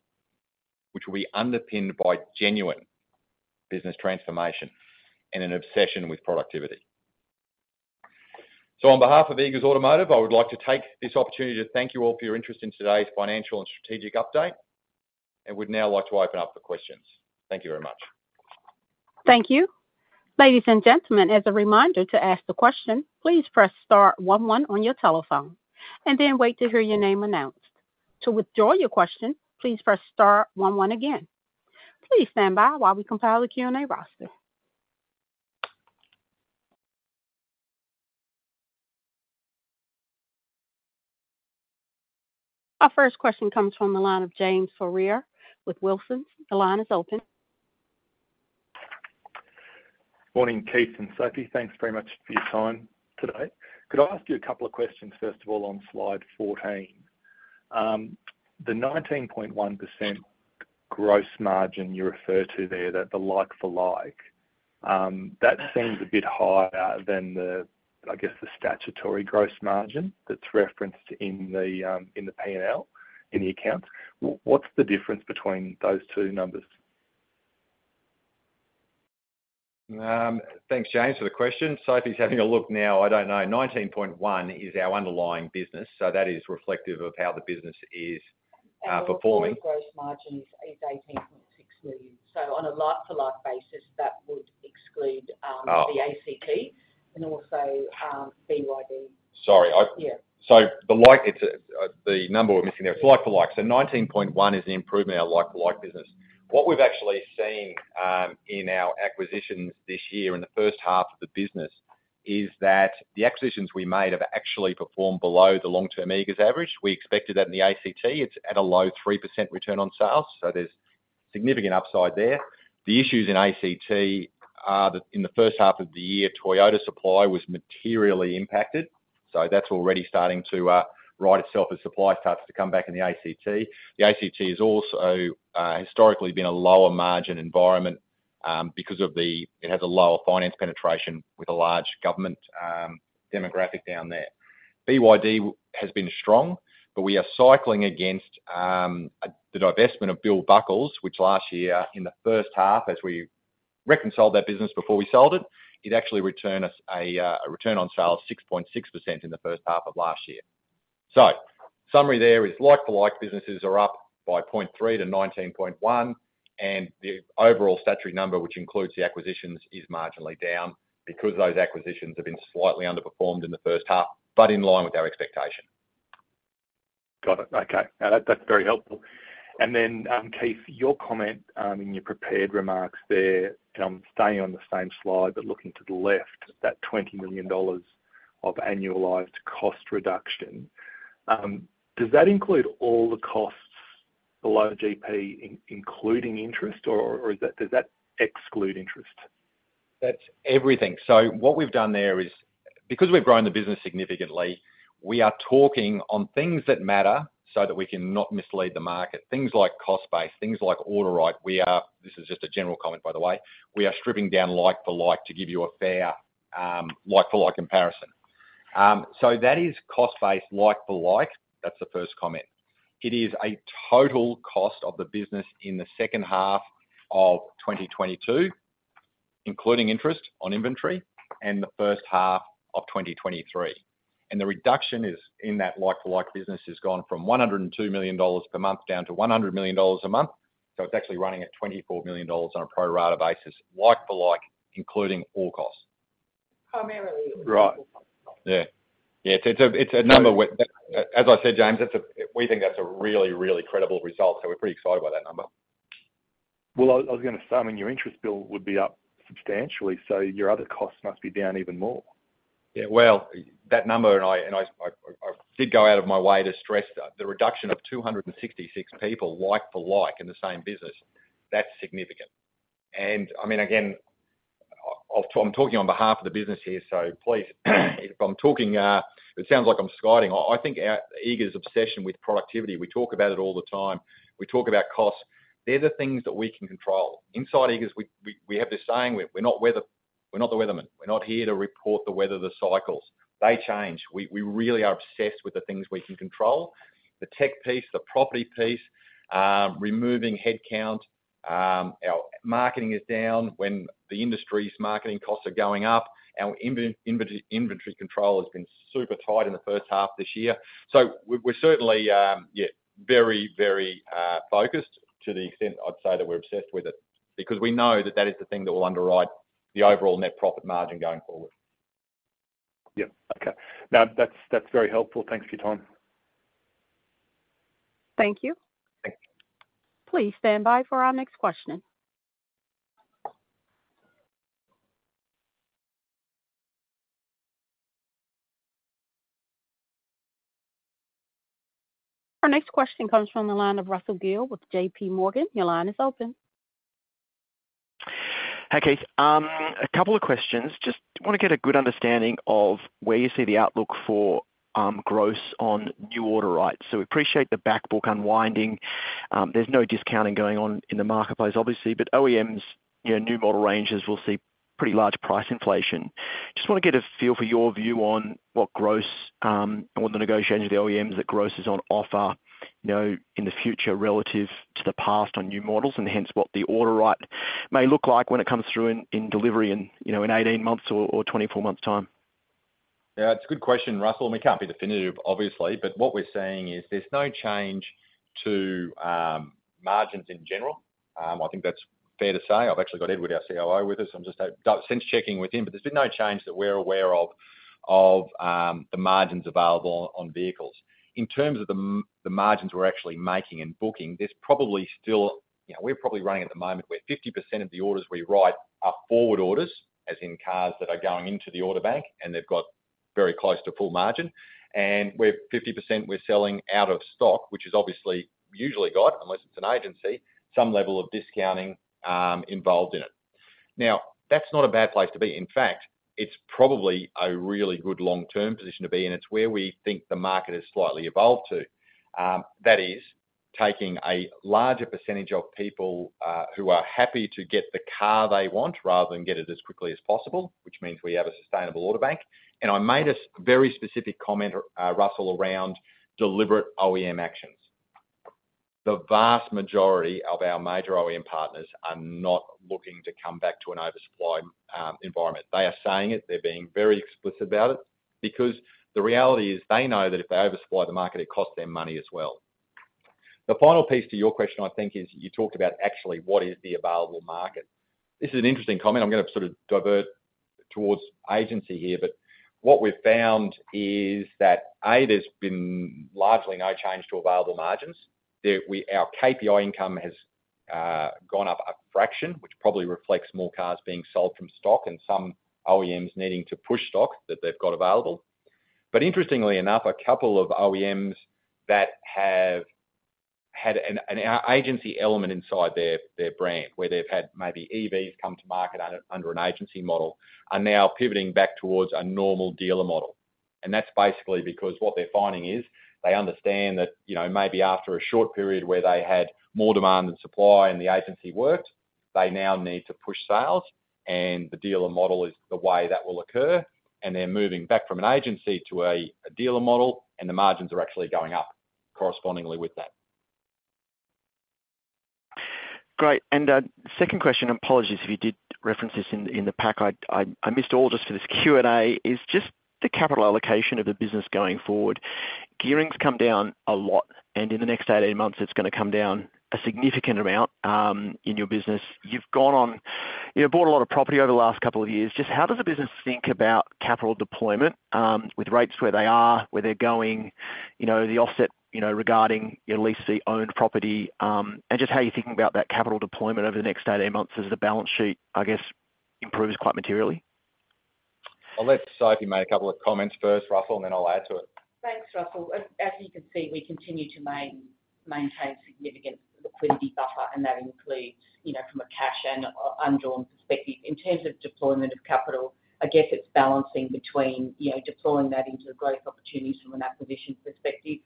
which will be underpinned by genuine business transformation and an obsession with productivity. On behalf of Eagers Automotive, I would like to take this opportunity to thank you all for your interest in today's financial and strategic update. We'd now like to open up for questions. Thank you very much. Thank you. Ladies and gentlemen, as a reminder to ask the question, please press star one one on your telephone, and then wait to hear your name announced. To withdraw your question, please press star one one again. Please stand by while we compile the Q&A roster. Our first question comes from the line of James Farrier with Wilsons. The line is open. Morning, Keith and Sophie. Thanks very much for your time today. Could I ask you a couple of questions, first of all, on slide 14? The 19.1% gross margin you refer to there, that the like for like, that seems a bit higher than the, I guess, the statutory gross margin that's referenced in the, in the P&L, in the accounts. What's the difference between those two numbers? Thanks, James, for the question. Sophie's having a look now. I don't know. 19.1 is our underlying business, so that is reflective of how the business is performing. Gross margin is 18.6 million. So on a like-for-like basis, that would exclude the ACT and also BYD. Sorry, I- Yeah. So, like, it's the number we're missing there, it's like for like. So 19.1 is the improvement in our like-for-like business. What we've actually seen in our acquisitions this year, in the first half of the business, is that the acquisitions we made have actually performed below the long-term Eagers average. We expected that in the ACT, it's at a low 3% return on sales, so there's significant upside there. The issues in ACT are that in the first half of the year, Toyota supply was materially impacted, so that's already starting to right itself as supply starts to come back in the ACT. The ACT has also historically been a lower margin environment because it has a lower finance penetration with a large government demographic down there. BYD has been strong, but we are cycling against the divestment of Bill Buckle, which last year, in the first half, as we reconciled that business before we sold it, it actually returned us a return on sales of 6.6% in the first half of last year. So summary there is like-for-like businesses are up by 0.3-19.1, and the overall statutory number, which includes the acquisitions, is marginally down because those acquisitions have been slightly underperformed in the first half, but in line with our expectation. Got it. Okay. Now, that, that's very helpful. And then, Keith, your comment in your prepared remarks there, staying on the same slide, but looking to the left, that 20 million dollars of annualized cost reduction. Does that include all the costs below GP, including interest, or does that exclude interest? That's everything. So what we've done there is because we've grown the business significantly, we are talking on things that matter so that we can not mislead the market. Things like cost base, things like order bank, we are... This is just a general comment, by the way. We are stripping down like to like to give you a fair, like-for-like comparison. So that is cost base, like for like. That's the first comment. It is a total cost of the business in the second half of 2022, including interest on inventory and the first half of 2023. And the reduction is, in that like-for-like business, has gone from 102 million dollars per month down to 100 million dollars a month. So it's actually running at 24 million dollars on a pro rata basis, like for like, including all costs. Primarily- Right. Yeah. Yeah, it's a, it's a number. As I said, James, that's a. We think that's a really, really credible result, so we're pretty excited by that number. Well, I was going to say, I mean, your interest bill would be up substantially, so your other costs must be down even more. Yeah, well, that number, and I did go out of my way to stress that the reduction of 266 people, like for like, in the same business, that's significant. And I mean, again, I'm talking on behalf of the business here, so please, if I'm talking, it sounds like I'm skying. I think our, Eagers' obsession with productivity, we talk about it all the time. We talk about costs. They're the things that we can control. Inside Eagers, we have this saying, "We're not weather, we're not the weatherman. We're not here to report the weather, the cycles." They change. We really are obsessed with the things we can control. The tech piece, the property piece, removing headcount. Our marketing is down when the industry's marketing costs are going up. Our inventory control has been super tight in the first half this year. So we're certainly, yeah, very, very focused to the extent I'd say that we're obsessed with it. Because we know that that is the thing that will underwrite the overall net profit margin going forward. Yep. Okay. Now, that's, that's very helpful. Thanks for your time. Thank you. Thank you. Please stand by for our next question. Our next question comes from the line of Russell Gill with JPMorgan. Your line is open. Hi, Keith. A couple of questions. Just want to get a good understanding of where you see the outlook for gross on new order rights. So we appreciate the back book unwinding. There's no discounting going on in the marketplace, obviously, but OEMs, you know, new model ranges will see pretty large price inflation. Just want to get a feel for your view on what gross, or the negotiation of the OEMs, that gross is on offer, you know, in the future relative to the past on new models, and hence what the order right may look like when it comes through in delivery in, you know, 18 months or 24 months time. Yeah, it's a good question, Russell. We can't be definitive, obviously, but what we're seeing is there's no change to margins in general. I think that's fair to say. I've actually got Edward, our CIO, with us. I'm just sense checking with him, but there's been no change that we're aware of, of the margins available on vehicles. In terms of the margins we're actually making and booking, there's probably still... You know, we're probably running at the moment where 50% of the orders we write are forward orders, as in cars that are going into the order bank, and they've got very close to full margin. And we're - 50% we're selling out of stock, which has obviously, usually got, unless it's an agency, some level of discounting involved in it. Now, that's not a bad place to be. In fact, it's probably a really good long-term position to be in. It's where we think the market has slightly evolved to. That is, taking a larger percentage of people who are happy to get the car they want rather than get it as quickly as possible, which means we have a sustainable order bank. I made a very specific comment, Russell, around deliberate OEM actions. The vast majority of our major OEM partners are not looking to come back to an oversupply environment. They are saying it, they're being very explicit about it, because the reality is they know that if they oversupply the market, it costs them money as well. The final piece to your question, I think, is you talked about actually what is the available market? This is an interesting comment. I'm gonna sort of divert towards agency here, but what we've found is that, A, there's been largely no change to available margins. We, our KPI income has gone up a fraction, which probably reflects more cars being sold from stock and some OEMs needing to push stock that they've got available. But interestingly enough, a couple of OEMs that have had an agency element inside their brand, where they've had maybe EVs come to market under an agency model, are now pivoting back towards a normal dealer model. And that's basically because what they're finding is, you know, maybe after a short period where they had more demand than supply and the agency worked, they now need to push sales, and the dealer model is the way that will occur. They're moving back from an agency to a dealer model, and the margins are actually going up correspondingly with that. Great. Second question, apologies if you did reference this in the pack, I missed it all just for this Q&A, is just the capital allocation of the business going forward. Gearing's come down a lot, and in the next 18 months, it's gonna come down a significant amount in your business. You've gone on, you know, bought a lot of property over the last couple of years. Just how does the business think about capital deployment with rates where they are, where they're going, you know, the offset, you know, regarding your lease, the owned property, and just how you're thinking about that capital deployment over the next 18 months as the balance sheet, I guess, improves quite materially? I'll let Sophie make a couple of comments first, Russell, and then I'll add to it. Thanks, Russell. As you can see, we continue to maintain significant liquidity buffer, and that includes, you know, from a cash and undrawn perspective. In terms of deployment of capital, I guess it's balancing between, you know, deploying that into growth opportunities from an acquisition perspective,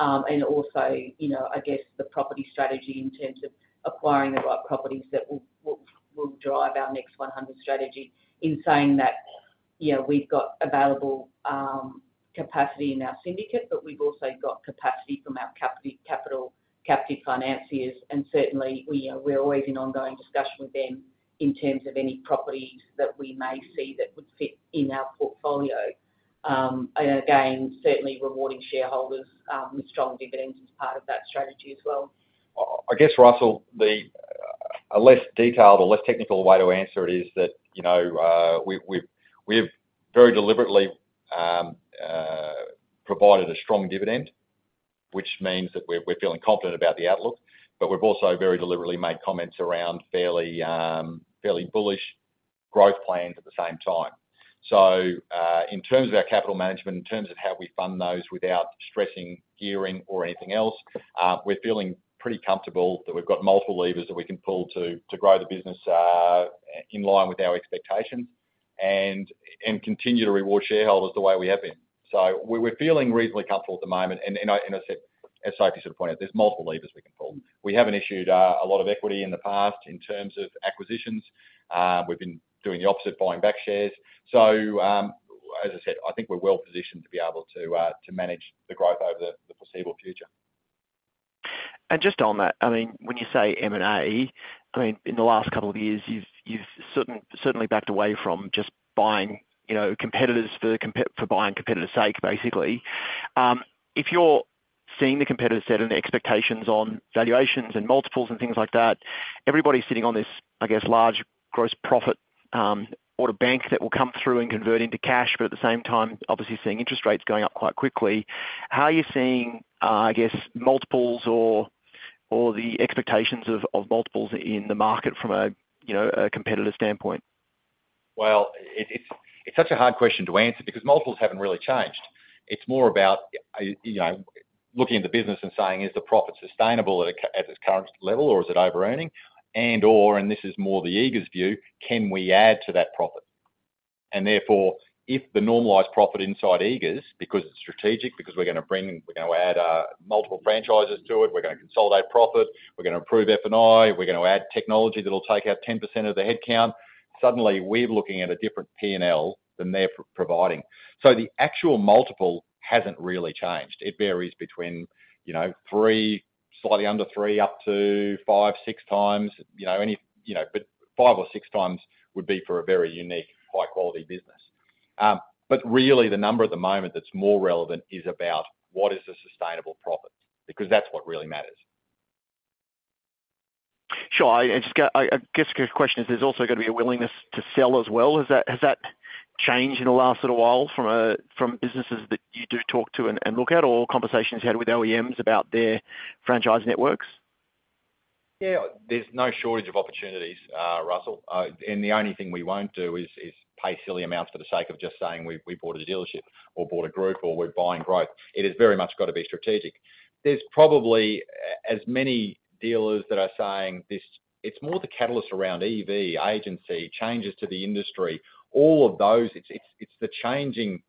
and also, you know, I guess, the property strategy in terms of acquiring the right properties that will drive our Next 100 strategy. In saying that, you know, we've got available capacity in our syndicate, but we've also got capacity from our capital, captive financiers, and certainly, we're always in ongoing discussion with them in terms of any properties that we may see that would fit in our portfolio. And again, certainly rewarding shareholders with strong dividends as part of that strategy as well. I guess, Russell, a less detailed or less technical way to answer it is that, you know, we've very deliberately provided a strong dividend, which means that we're feeling confident about the outlook, but we've also very deliberately made comments around fairly, fairly bullish growth plans at the same time. So, in terms of our capital management, in terms of how we fund those without stressing gearing, or anything else, we're feeling pretty comfortable that we've got multiple levers that we can pull to grow the business in line with our expectations, and continue to reward shareholders the way we have been. So we're feeling reasonably comfortable at the moment, and I said, as Sophie sort of pointed out, there's multiple levers we can pull. We haven't issued a lot of equity in the past in terms of acquisitions. We've been doing the opposite, buying back shares. So, as I said, I think we're well positioned to be able to to manage the growth over the foreseeable future. And just on that, I mean, when you say M&A, I mean, in the last couple of years, you've, you've certainly, certainly backed away from just buying, you know, competitors for comp-- for buying competitors sake, basically. If you're seeing the competitor set and the expectations on valuations and multiples and things like that, everybody's sitting on this, I guess, large gross profit, order bank that will come through and convert into cash, but at the same time, obviously seeing interest rates going up quite quickly. How are you seeing, I guess, multiples or, or the expectations of, of multiples in the market from a, you know, a competitor standpoint? Well, it's such a hard question to answer because multiples haven't really changed. It's more about, you know, looking at the business and saying: Is the profit sustainable at its current level, or is it overearning? And, or, and this is more the Eagers view, can we add to that profit? And therefore, if the normalized profit inside Eagers, because it's strategic, because we're gonna bring-- we're gonna add multiple franchises to it, we're gonna consolidate profit, we're gonna improve F&I, we're gonna add technology that will take out 10% of the headcount. Suddenly, we're looking at a different P&L than they're providing. So the actual multiple hasn't really changed. It varies between, you know, 3x, slightly under 3x, up to 5x-6x, you know, any, you know, but 5x or 6x would be for a very unique, high-quality business. Really, the number at the moment that's more relevant is about what is the sustainable profit? Because that's what really matters. Sure, I just got - I guess the question is, there's also got to be a willingness to sell as well. Has that changed in the last little while from businesses that you do talk to and look at, or conversations you had with OEMs about their franchise networks? Yeah, there's no shortage of opportunities, Russell, and the only thing we won't do is pay silly amounts for the sake of just saying we bought a dealership, or bought a group, or we're buying growth. It has very much got to be strategic. There's probably as many dealers that are saying this. It's more the catalyst around EV, agency, changes to the industry, all of those. It's the changing,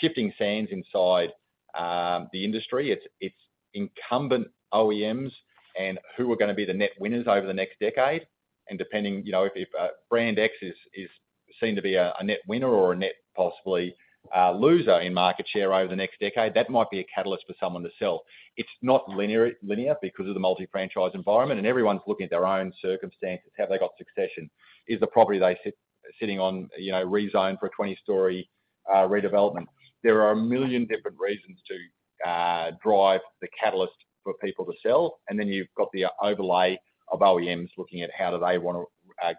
shifting sands inside the industry. It's incumbent OEMs and who are gonna be the net winners over the next decade, and depending, you know, if brand X is seen to be a net winner or a net, possibly, loser in market share over the next decade, that might be a catalyst for someone to sell. It's not linear, linear because of the multi-franchise environment, and everyone's looking at their own circumstances. Have they got succession? Is the property they sit, sitting on, you know, rezoned for a 20-story redevelopment? There are a million different reasons to drive the catalyst for people to sell, and then you've got the overlay of OEMs looking at how do they wanna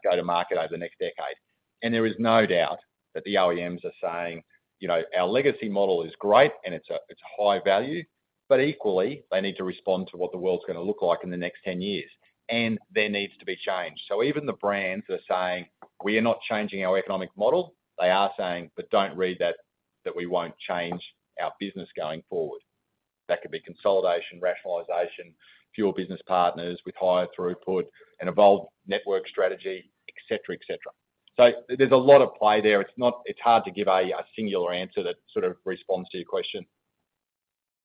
go to market over the next decade. And there is no doubt that the OEMs are saying, "You know, our legacy model is great, and it's a, it's high value," but equally, they need to respond to what the world's gonna look like in the next 10 years. And there needs to be change. So even the brands are saying, "We are not changing our economic model," they are saying, "But don't read that, that we won't change our business going forward." That could be consolidation, rationalization, fewer business partners with higher throughput, an evolved network strategy, et cetera, et cetera. So there's a lot of play there. It's hard to give a, a singular answer that sort of responds to your question.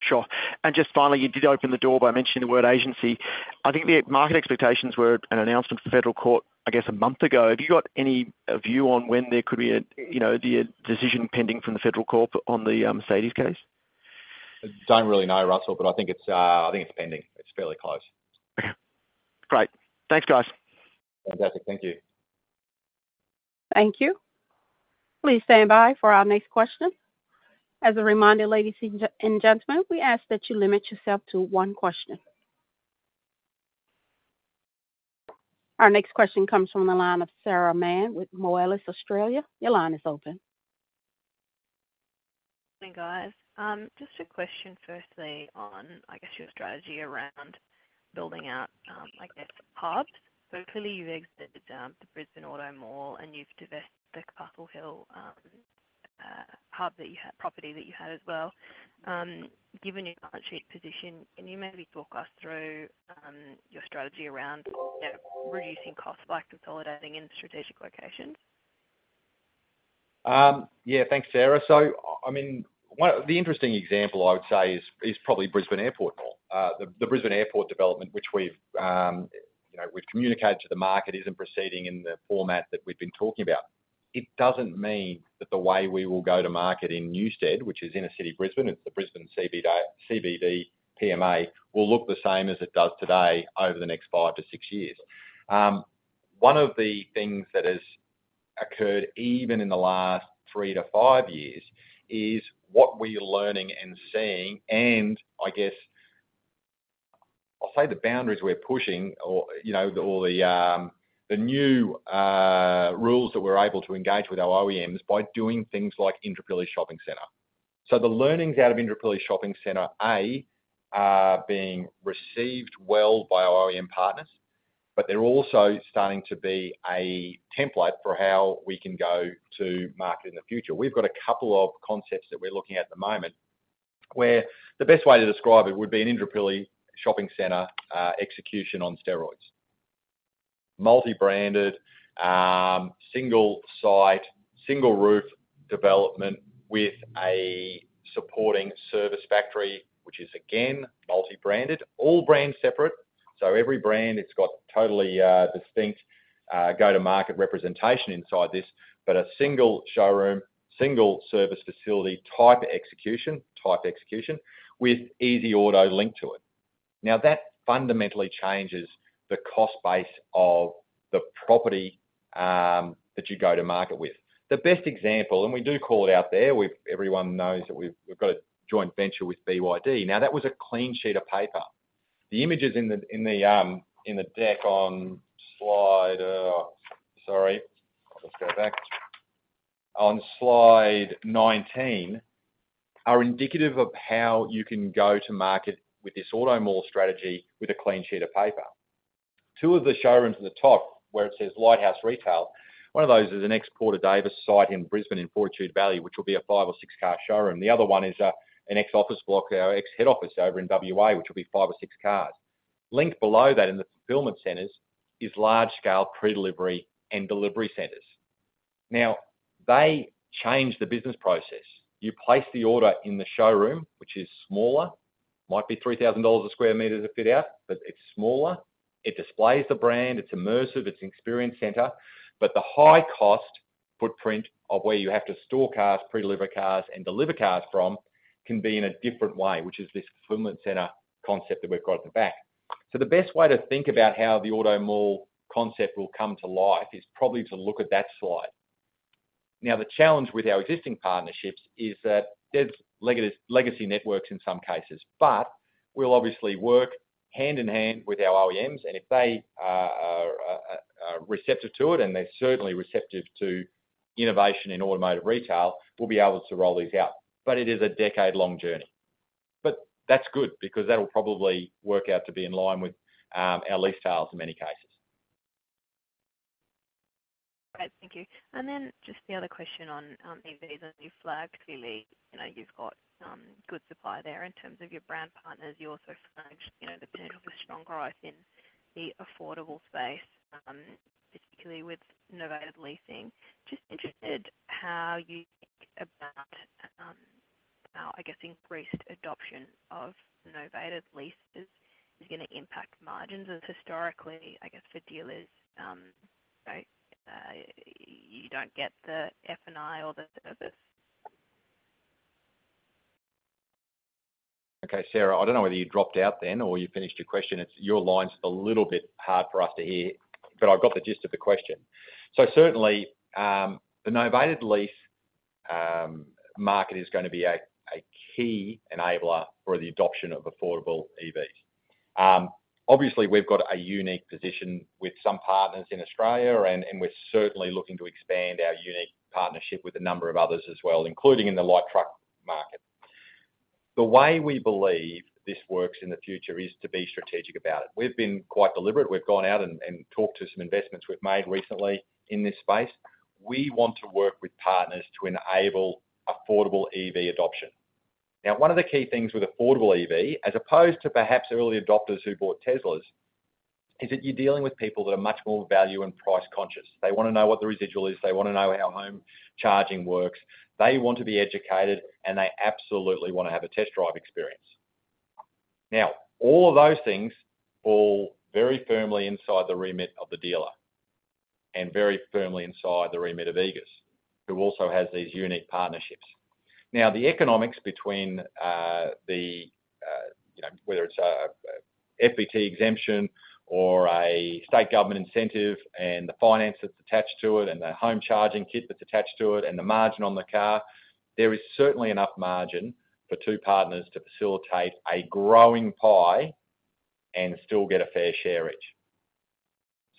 Sure. And just finally, you did open the door by mentioning the word agency. I think the market expectations were an announcement from the federal court, I guess, a month ago. Have you got any view on when there could be a, you know, the decision pending from the federal court on the Mercedes case? I don't really know, Russell, but I think it's pending. It's fairly close. Okay. Great. Thanks, guys. Fantastic. Thank you. Thank you. Please stand by for our next question. As a reminder, ladies and gentlemen, we ask that you limit yourself to one question. Our next question comes from the line of Sarah Mann with Moelis Australia. Your line is open. Hi, guys. Just a question firstly on, I guess, your strategy around building out, like, the hubs. So clearly you've exited the Brisbane AutoMall and you've divested the Castle Hill Hub that you had, property that you had as well. Given your balance sheet position, can you maybe talk us through your strategy around, you know, reducing costs by consolidating in strategic locations? Yeah, thanks, Sarah. So I mean, one, the interesting example I would say is probably Brisbane Airport Mall. The Brisbane Airport development, which we've, you know, we've communicated to the market, isn't proceeding in the format that we've been talking about. It doesn't mean that the way we will go to market in Newstead, which is in the city of Brisbane, it's the Brisbane CBD, CBD PMI, will look the same as it does today over the next five to six years. One of the things that has occurred even in the last three to five years is what we are learning and seeing, and I guess, I'll say the boundaries we're pushing or, you know, all the new rules that we're able to engage with our OEMs by doing things like Indooroopilly Shopping Centre. So the learnings out of Indooroopilly Shopping Centre are being received well by our OEM partners, but they're also starting to be a template for how we can go to market in the future. We've got a couple of concepts that we're looking at the moment, where the best way to describe it would be an Indooroopilly Shopping Centre execution on steroids. Multi-branded, single site, single roof development with a supporting service factory, which is again, multi-branded, all brands separate. So every brand, it's got totally distinct go-to-market representation inside this, but a single showroom, single service facility, type execution, type execution with EasyAuto linked to it. Now, that fundamentally changes the cost base of the property that you go to market with. The best example, and we do call it out there, everyone knows that we've got a joint venture with BYD. Now, that was a clean sheet of paper. The images in the deck on Slide 19 are indicative of how you can go to market with this AutoMall strategy with a clean sheet of paper. Two of the showrooms at the top, where it says Lighthouse Retail, one of those is an ex-Porter Davis site in Brisbane, in Fortitude Valley, which will be a five or six-car showroom. The other one is an ex-office block, our ex-head office over in WA, which will be five or six cars. Linked below that in the fulfillment centers is large-scale pre-delivery and delivery centers. Now, they change the business process. You place the order in the showroom, which is smaller, might be 3,000 dollars a square meter to fit out, but it's smaller. It displays the brand, it's immersive, it's experience center, but the high cost footprint of where you have to store cars, pre-deliver cars, and deliver cars from, can be in a different way, which is this fulfillment center concept that we've got at the back. So the best way to think about how the AutoMall concept will come to life, is probably to look at that slide. Now, the challenge with our existing partnerships is that there's legacy networks in some cases, but we'll obviously work hand-in-hand with our OEMs, and if they are receptive to it, and they're certainly receptive to innovation in automotive retail, we'll be able to roll these out. But it is a decade-long journey. But that's good because that'll probably work out to be in line with our lease sales in many cases. Great, thank you. And then just the other question on EVs, and you flagged clearly, you know, you've got good supply there in terms of your brand partners. You also flagged, you know, the potential for strong growth in the affordable space, particularly with novated leasing. Just interested, how you think about how, I guess, increased adoption of novated leases is gonna impact margins, as historically, I guess, for dealers, right, you don't get the F&I or the. Okay, Sarah, I don't know whether you dropped out then or you finished your question. It's. Your line's a little bit hard for us to hear, but I've got the gist of the question. So certainly, the novated lease market is going to be a key enabler for the adoption of affordable EVs. Obviously, we've got a unique position with some partners in Australia, and we're certainly looking to expand our unique partnership with a number of others as well, including in the light truck market. The way we believe this works in the future is to be strategic about it. We've been quite deliberate. We've gone out and talked to some investments we've made recently in this space. We want to work with partners to enable affordable EV adoption. Now, one of the key things with affordable EV, as opposed to perhaps early adopters who bought Teslas, is that you're dealing with people that are much more value and price conscious. They wanna know what the residual is, they wanna know how home charging works, they want to be educated, and they absolutely wanna have a test drive experience. Now, all of those things fall very firmly inside the remit of the dealer and very firmly inside the remit of Eagers, who also has these unique partnerships. Now, the economics between, the, you know, whether it's a, a FBT exemption or a state government incentive, and the finance that's attached to it, and the home charging kit that's attached to it, and the margin on the car, there is certainly enough margin for two partners to facilitate a growing pie and still get a fair share of it.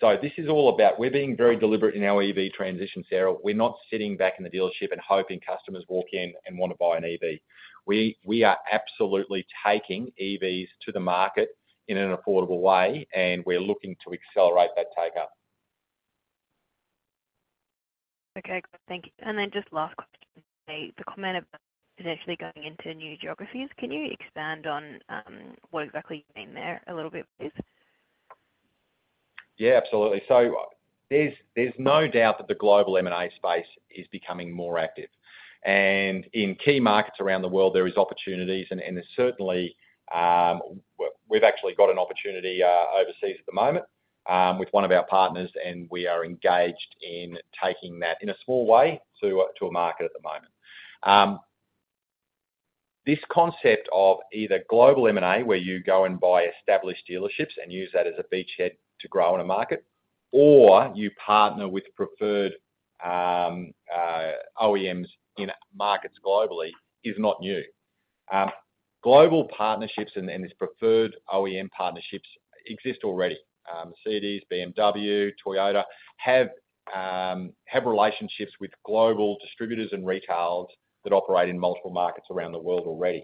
So this is all about. We're being very deliberate in our EV transition, Sarah. We're not sitting back in the dealership and hoping customers walk in and want to buy an EV. We, we are absolutely taking EVs to the market in an affordable way, and we're looking to accelerate that take-up. Okay, thank you. And then just last question, the comment about potentially going into new geographies. Can you expand on what exactly you mean there a little bit, please? Yeah, absolutely. So there's, there's no doubt that the global M&A space is becoming more active. And in key markets around the world, there is opportunities, and, and there's certainly, well, we've actually got an opportunity, overseas at the moment, with one of our partners, and we are engaged in taking that in a small way to, to a market at the moment. This concept of either global M&A, where you go and buy established dealerships and use that as a beachhead to grow in a market, or you partner with preferred, OEMs in markets globally, is not new. Global partnerships and, and these preferred OEM partnerships exist already. Mercedes, BMW, Toyota, have, have relationships with global distributors and retailers that operate in multiple markets around the world already.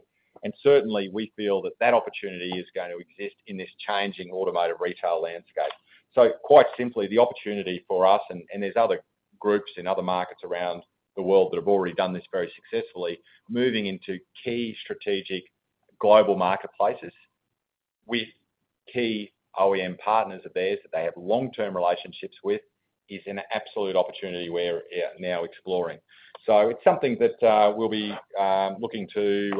Certainly, we feel that opportunity is going to exist in this changing automotive retail landscape. So quite simply, the opportunity for us, and there's other groups in other markets around the world that have already done this very successfully, moving into key strategic global marketplaces with key OEM partners of theirs, that they have long-term relationships with, is an absolute opportunity we're now exploring. So it's something that we'll be looking to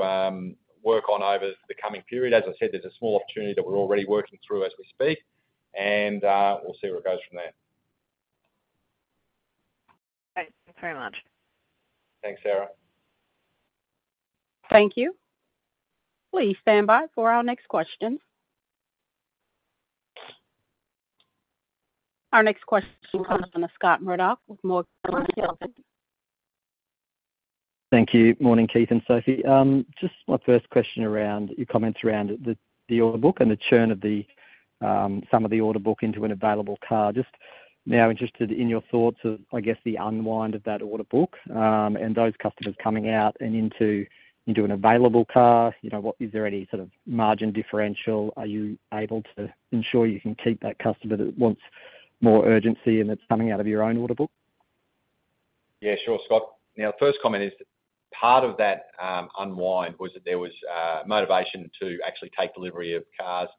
work on over the coming period. As I said, there's a small opportunity that we're already working through as we speak, and we'll see where it goes from there. Great, thanks very much. Thanks, Sarah. Thank you. Please stand by for our next question. Our next question comes from Scott Murdoch with Morgans Financial Limited. Thank you. Morning, Keith and Sophie. Just my first question around your comments around the order bank and the churn of some of the order bank into an available car. Just now interested in your thoughts of, I guess, the unwind of that order bank, and those customers coming out and into an available car. You know, is there any sort of margin differential? Are you able to ensure you can keep that customer that wants more urgency, and it's coming out of your own order bank? Yeah, sure, Scott. Now, first comment is, part of that, unwind was that there was, motivation to actually take delivery of cars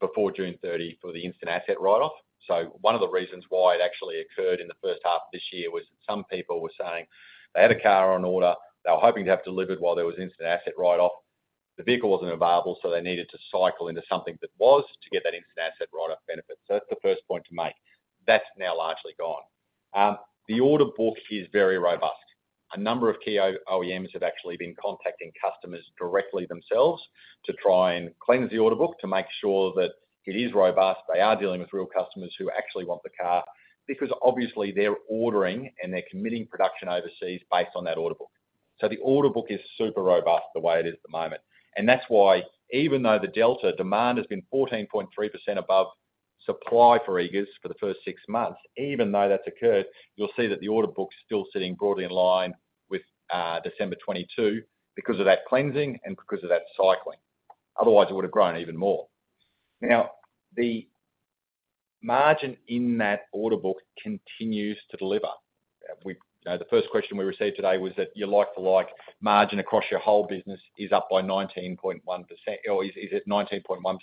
before June 30 for the instant asset write-off. So one of the reasons why it actually occurred in the first half of this year was some people were saying they had a car on order, they were hoping to have delivered while there was instant asset write-off. The vehicle wasn't available, so they needed to cycle into something that was, to get that instant asset write-off benefit. So that's the first point to make. That's now largely gone. The order book is very robust. A number of key OEMs have actually been contacting customers directly, themselves, to try and cleanse the order book, to make sure that it is robust. They are dealing with real customers who actually want the car, because obviously they're ordering, and they're committing production overseas based on that order book. So the order book is super robust the way it is at the moment, and that's why even though the delta demand has been 14.3% above supply for Eagers for the first six months, even though that's occurred, you'll see that the order book's still sitting broadly in line with December 2022, because of that cleansing and because of that cycling. Otherwise, it would have grown even more. Now, the margin in that order book continues to deliver. The first question we received today was that you like the like, margin across your whole business is up by 19.1%, or is, is at 19.1%.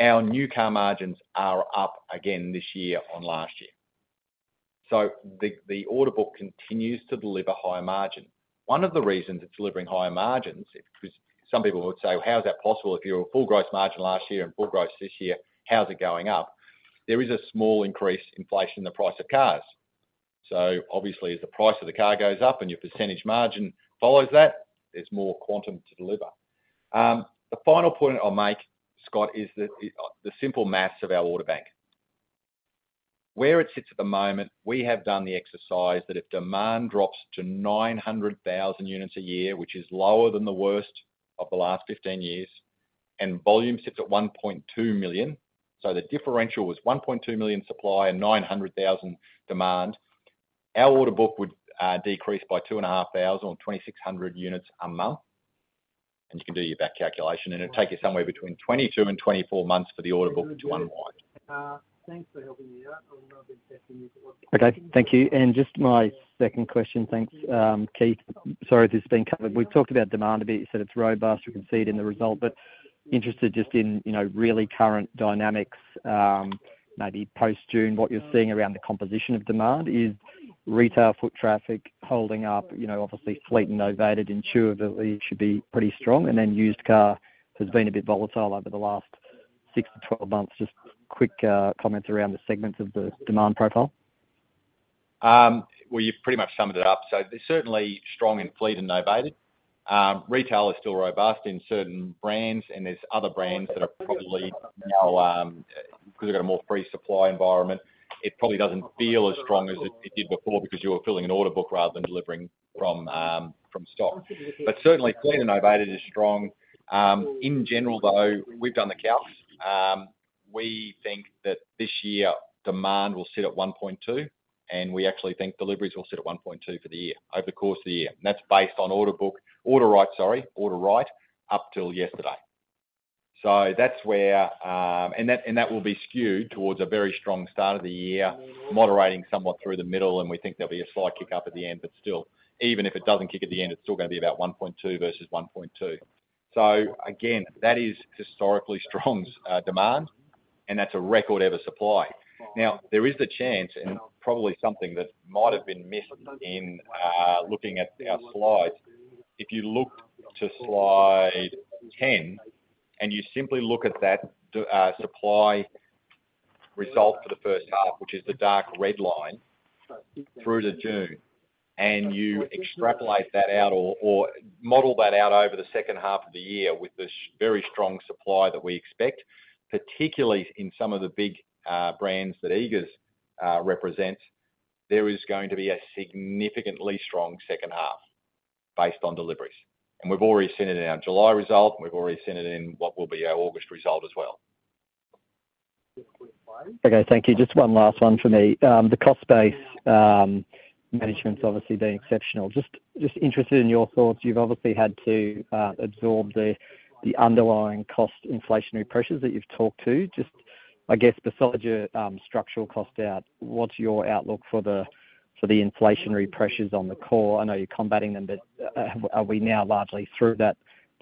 Our new car margins are up again this year on last year. So the order book continues to deliver higher margin. One of the reasons it's delivering higher margins, because some people would say, "How is that possible if you're a full gross margin last year and full gross this year, how's it going up?" There is a small increase in inflation in the price of cars. So obviously, as the price of the car goes up and your percentage margin follows that, there's more quantum to deliver. The final point I'll make, Scott, is that the simple math of our order bank. Where it sits at the moment, we have done the exercise that if demand drops to 900,000 units a year, which is lower than the worst of the last 15 years, and volume sits at 1.2 million, so the differential is 1.2 million supply and 900,000 demand, our order book would decrease by 2,500 or 2,600 units a month, and you can do your back calculation, and it'd take you somewhere between 22 and 24 months for the order book to unwind. Thanks for helping me out. I'll be testing this. Okay, thank you. And just my second question, thanks, Keith. Sorry, if this has been covered. We've talked about demand a bit. You said it's robust, we can see it in the result, but interested just in, you know, really current dynamics, maybe post-June, what you're seeing around the composition of demand. Is retail foot traffic holding up? You know, obviously, fleet and novated intuitively should be pretty strong, and then used car has been a bit volatile over the last 6-12 months. Just quick comments around the segments of the demand profile. Well, you've pretty much summed it up. So they're certainly strong in fleet and novated. Retail is still robust in certain brands, and there's other brands that are probably now, because they've got a more free supply environment, it probably doesn't feel as strong as it, it did before, because you were filling an order book rather than delivering from, from stock. But certainly, fleet and novated is strong. In general, though, we've done the counts, we think that this year, demand will sit at 1.2, and we actually think deliveries will sit at 1.2 for the year, over the course of the year. And that's based on order rate, sorry, order rate up till yesterday. So that's where and that will be skewed towards a very strong start of the year, moderating somewhat through the middle, and we think there'll be a slight kick-up at the end, but still, even if it doesn't kick at the end, it's still gonna be about 1.2 versus 1.2. So again, that is historically strong demand, and that's a record-ever supply. Now, there is the chance, and probably something that might have been missed in looking at our slides. If you look to slide 10, and you simply look at that supply result for the first half, which is the dark red line through to June, and you extrapolate that out or model that out over the second half of the year with the very strong supply that we expect, particularly in some of the big brands that Eagers represent, there is going to be a significantly strong second half based on deliveries. And we've already seen it in our July result, and we've already seen it in what will be our August result as well. Okay, thank you. Just one last one for me. The cost base, management's obviously been exceptional. Just, just interested in your thoughts. You've obviously had to absorb the underlying cost inflationary pressures that you've talked to. Just, I guess, besides your structural cost out, what's your outlook for the inflationary pressures on the core? I know you're combating them, but are we now largely through that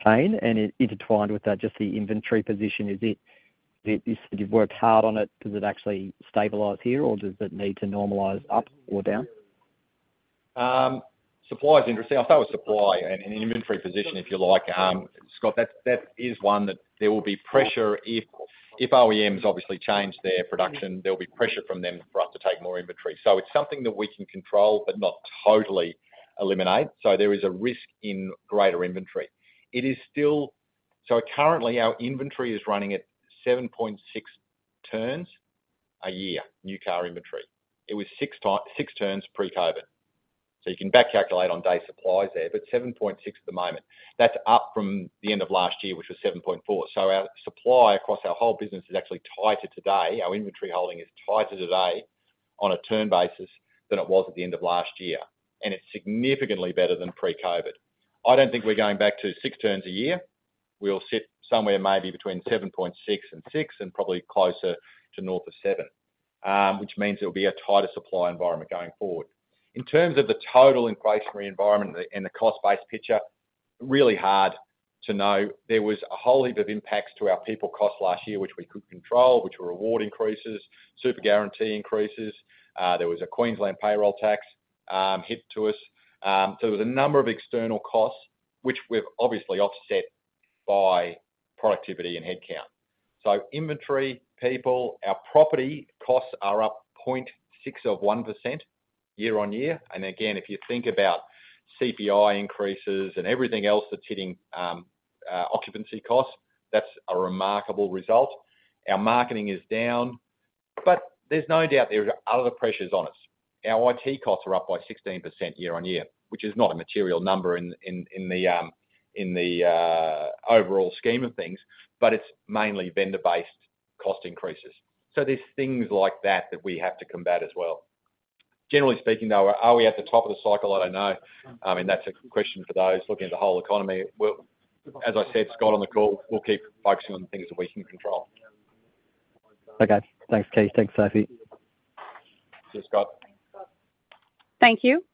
pain? And intertwined with that, just the inventory position, is it you've worked hard on it, does it actually stabilize here, or does it need to normalize up or down?... Supply is interesting. I'll start with supply and inventory position, if you like. Scott, that is one that there will be pressure if OEMs obviously change their production, there'll be pressure from them for us to take more inventory. So it's something that we can control but not totally eliminate. So there is a risk in greater inventory. It is still so currently, our inventory is running at 7.6 turns a year, new car inventory. It was six turns pre-COVID. So you can back calculate on day supplies there, but 7.6 at the moment. That's up from the end of last year, which was 7.4. So our supply across our whole business is actually tighter today. Our inventory holding is tighter today on a turn basis than it was at the end of last year, and it's significantly better than pre-COVID. I don't think we're going back to 6 turns a year. We'll sit somewhere maybe between 7.6 and 6, and probably closer to north of 7, which means it'll be a tighter supply environment going forward. In terms of the total inflationary environment and the, and the cost-based picture, really hard to know. There was a whole heap of impacts to our people cost last year, which we could control, which were award increases, super guarantee increases. There was a Queensland payroll tax hit to us. So there was a number of external costs, which we've obviously offset by productivity and headcount. So inventory, people, our property costs are up 0.6 of 1% year-on-year. And again, if you think about CPI increases and everything else that's hitting occupancy costs, that's a remarkable result. Our marketing is down, but there's no doubt there are other pressures on us. Our IT costs are up by 16% year-on-year, which is not a material number in the overall scheme of things, but it's mainly vendor-based cost increases. So there's things like that that we have to combat as well. Generally speaking, though, are we at the top of the cycle? I don't know. I mean, that's a question for those looking at the whole economy. Well, as I said, Scott, on the call, we'll keep focusing on the things that we can control. Okay. Thanks, Keith. Thanks, Sophie. Cheers, Scott. Thanks, Scott. Thank you.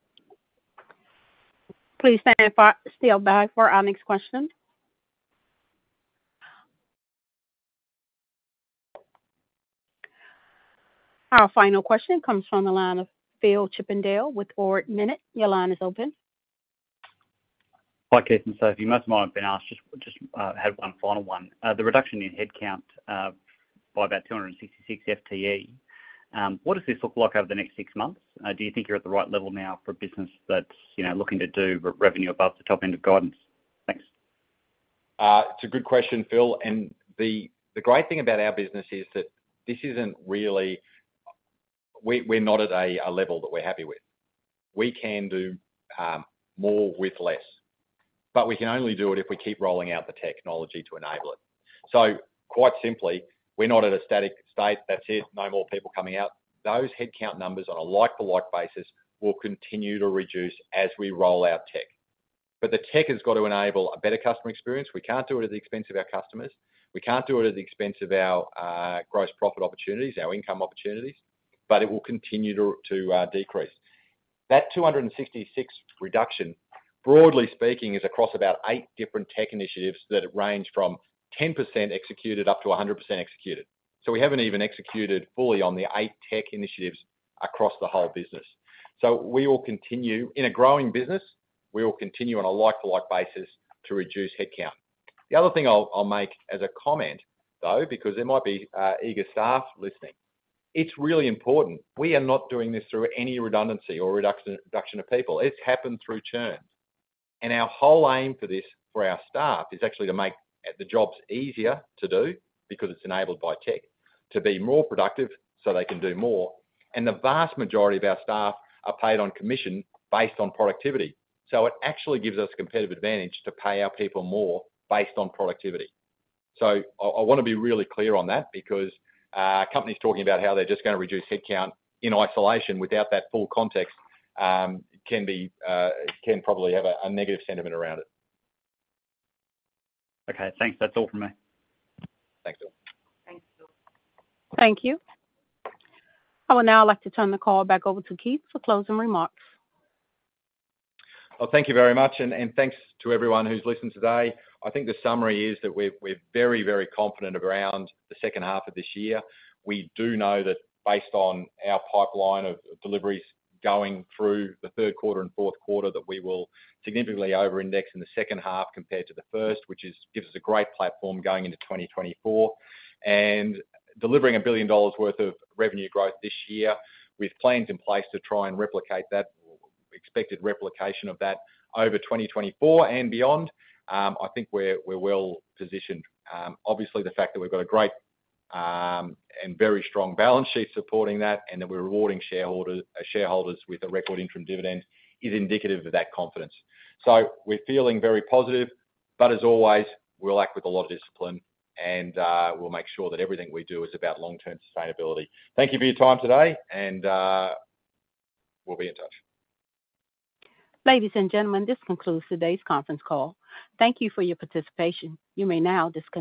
Please stand by, still by for our next question. Our final question comes from the line of Phil Chippindale with Ord Minnett. Your line is open. Hi, Keith and Sophie, most of mine have been asked, just have one final one. The reduction in headcount by about 266 FTE, what does this look like over the next six months? Do you think you're at the right level now for a business that's, you know, looking to do revenue above the top end of guidance? Thanks. It's a good question, Phil, and the great thing about our business is that this isn't really—we're not at a level that we're happy with. We can do more with less, but we can only do it if we keep rolling out the technology to enable it. So quite simply, we're not at a static state. That's it. No more people coming out. Those headcount numbers on a like-for-like basis will continue to reduce as we roll out tech. But the tech has got to enable a better customer experience. We can't do it at the expense of our customers. We can't do it at the expense of our gross profit opportunities, our income opportunities, but it will continue to decrease. That 266 reduction, broadly speaking, is across about eight different tech initiatives that range from 10% executed up to 100% executed. So we haven't even executed fully on the 8 tech initiatives across the whole business. So we will continue, in a growing business, we will continue on a like-to-like basis to reduce headcount. The other thing I'll, I'll make as a comment, though, because there might be, Eagers staff listening. It's really important. We are not doing this through any redundancy or reduction, reduction of people. It's happened through churn. And our whole aim for this, for our staff, is actually to make the jobs easier to do because it's enabled by tech to be more productive, so they can do more. And the vast majority of our staff are paid on commission based on productivity. So it actually gives us competitive advantage to pay our people more based on productivity. So I wanna be really clear on that because companies talking about how they're just gonna reduce headcount in isolation without that full context can probably have a negative sentiment around it. Okay, thanks. That's all from me. Thanks, Phil. Thanks, Phil. Thank you. I would now like to turn the call back over to Keith for closing remarks. Well, thank you very much, and thanks to everyone who's listened today. I think the summary is that we're very confident around the second half of this year. We do know that based on our pipeline of deliveries going through the third quarter and fourth quarter, that we will significantly over-index in the second half compared to the first, which gives us a great platform going into 2024. And delivering 1 billion dollars worth of revenue growth this year, with plans in place to try and replicate that, expected replication of that over 2024 and beyond, I think we're well positioned. Obviously, the fact that we've got a great and very strong balance sheet supporting that, and that we're rewarding shareholders with a record interim dividend, is indicative of that confidence. So we're feeling very positive, but as always, we'll act with a lot of discipline, and we'll make sure that everything we do is about long-term sustainability. Thank you for your time today, and we'll be in touch. Ladies and gentlemen, this concludes today's conference call. Thank you for your participation. You may now disconnect.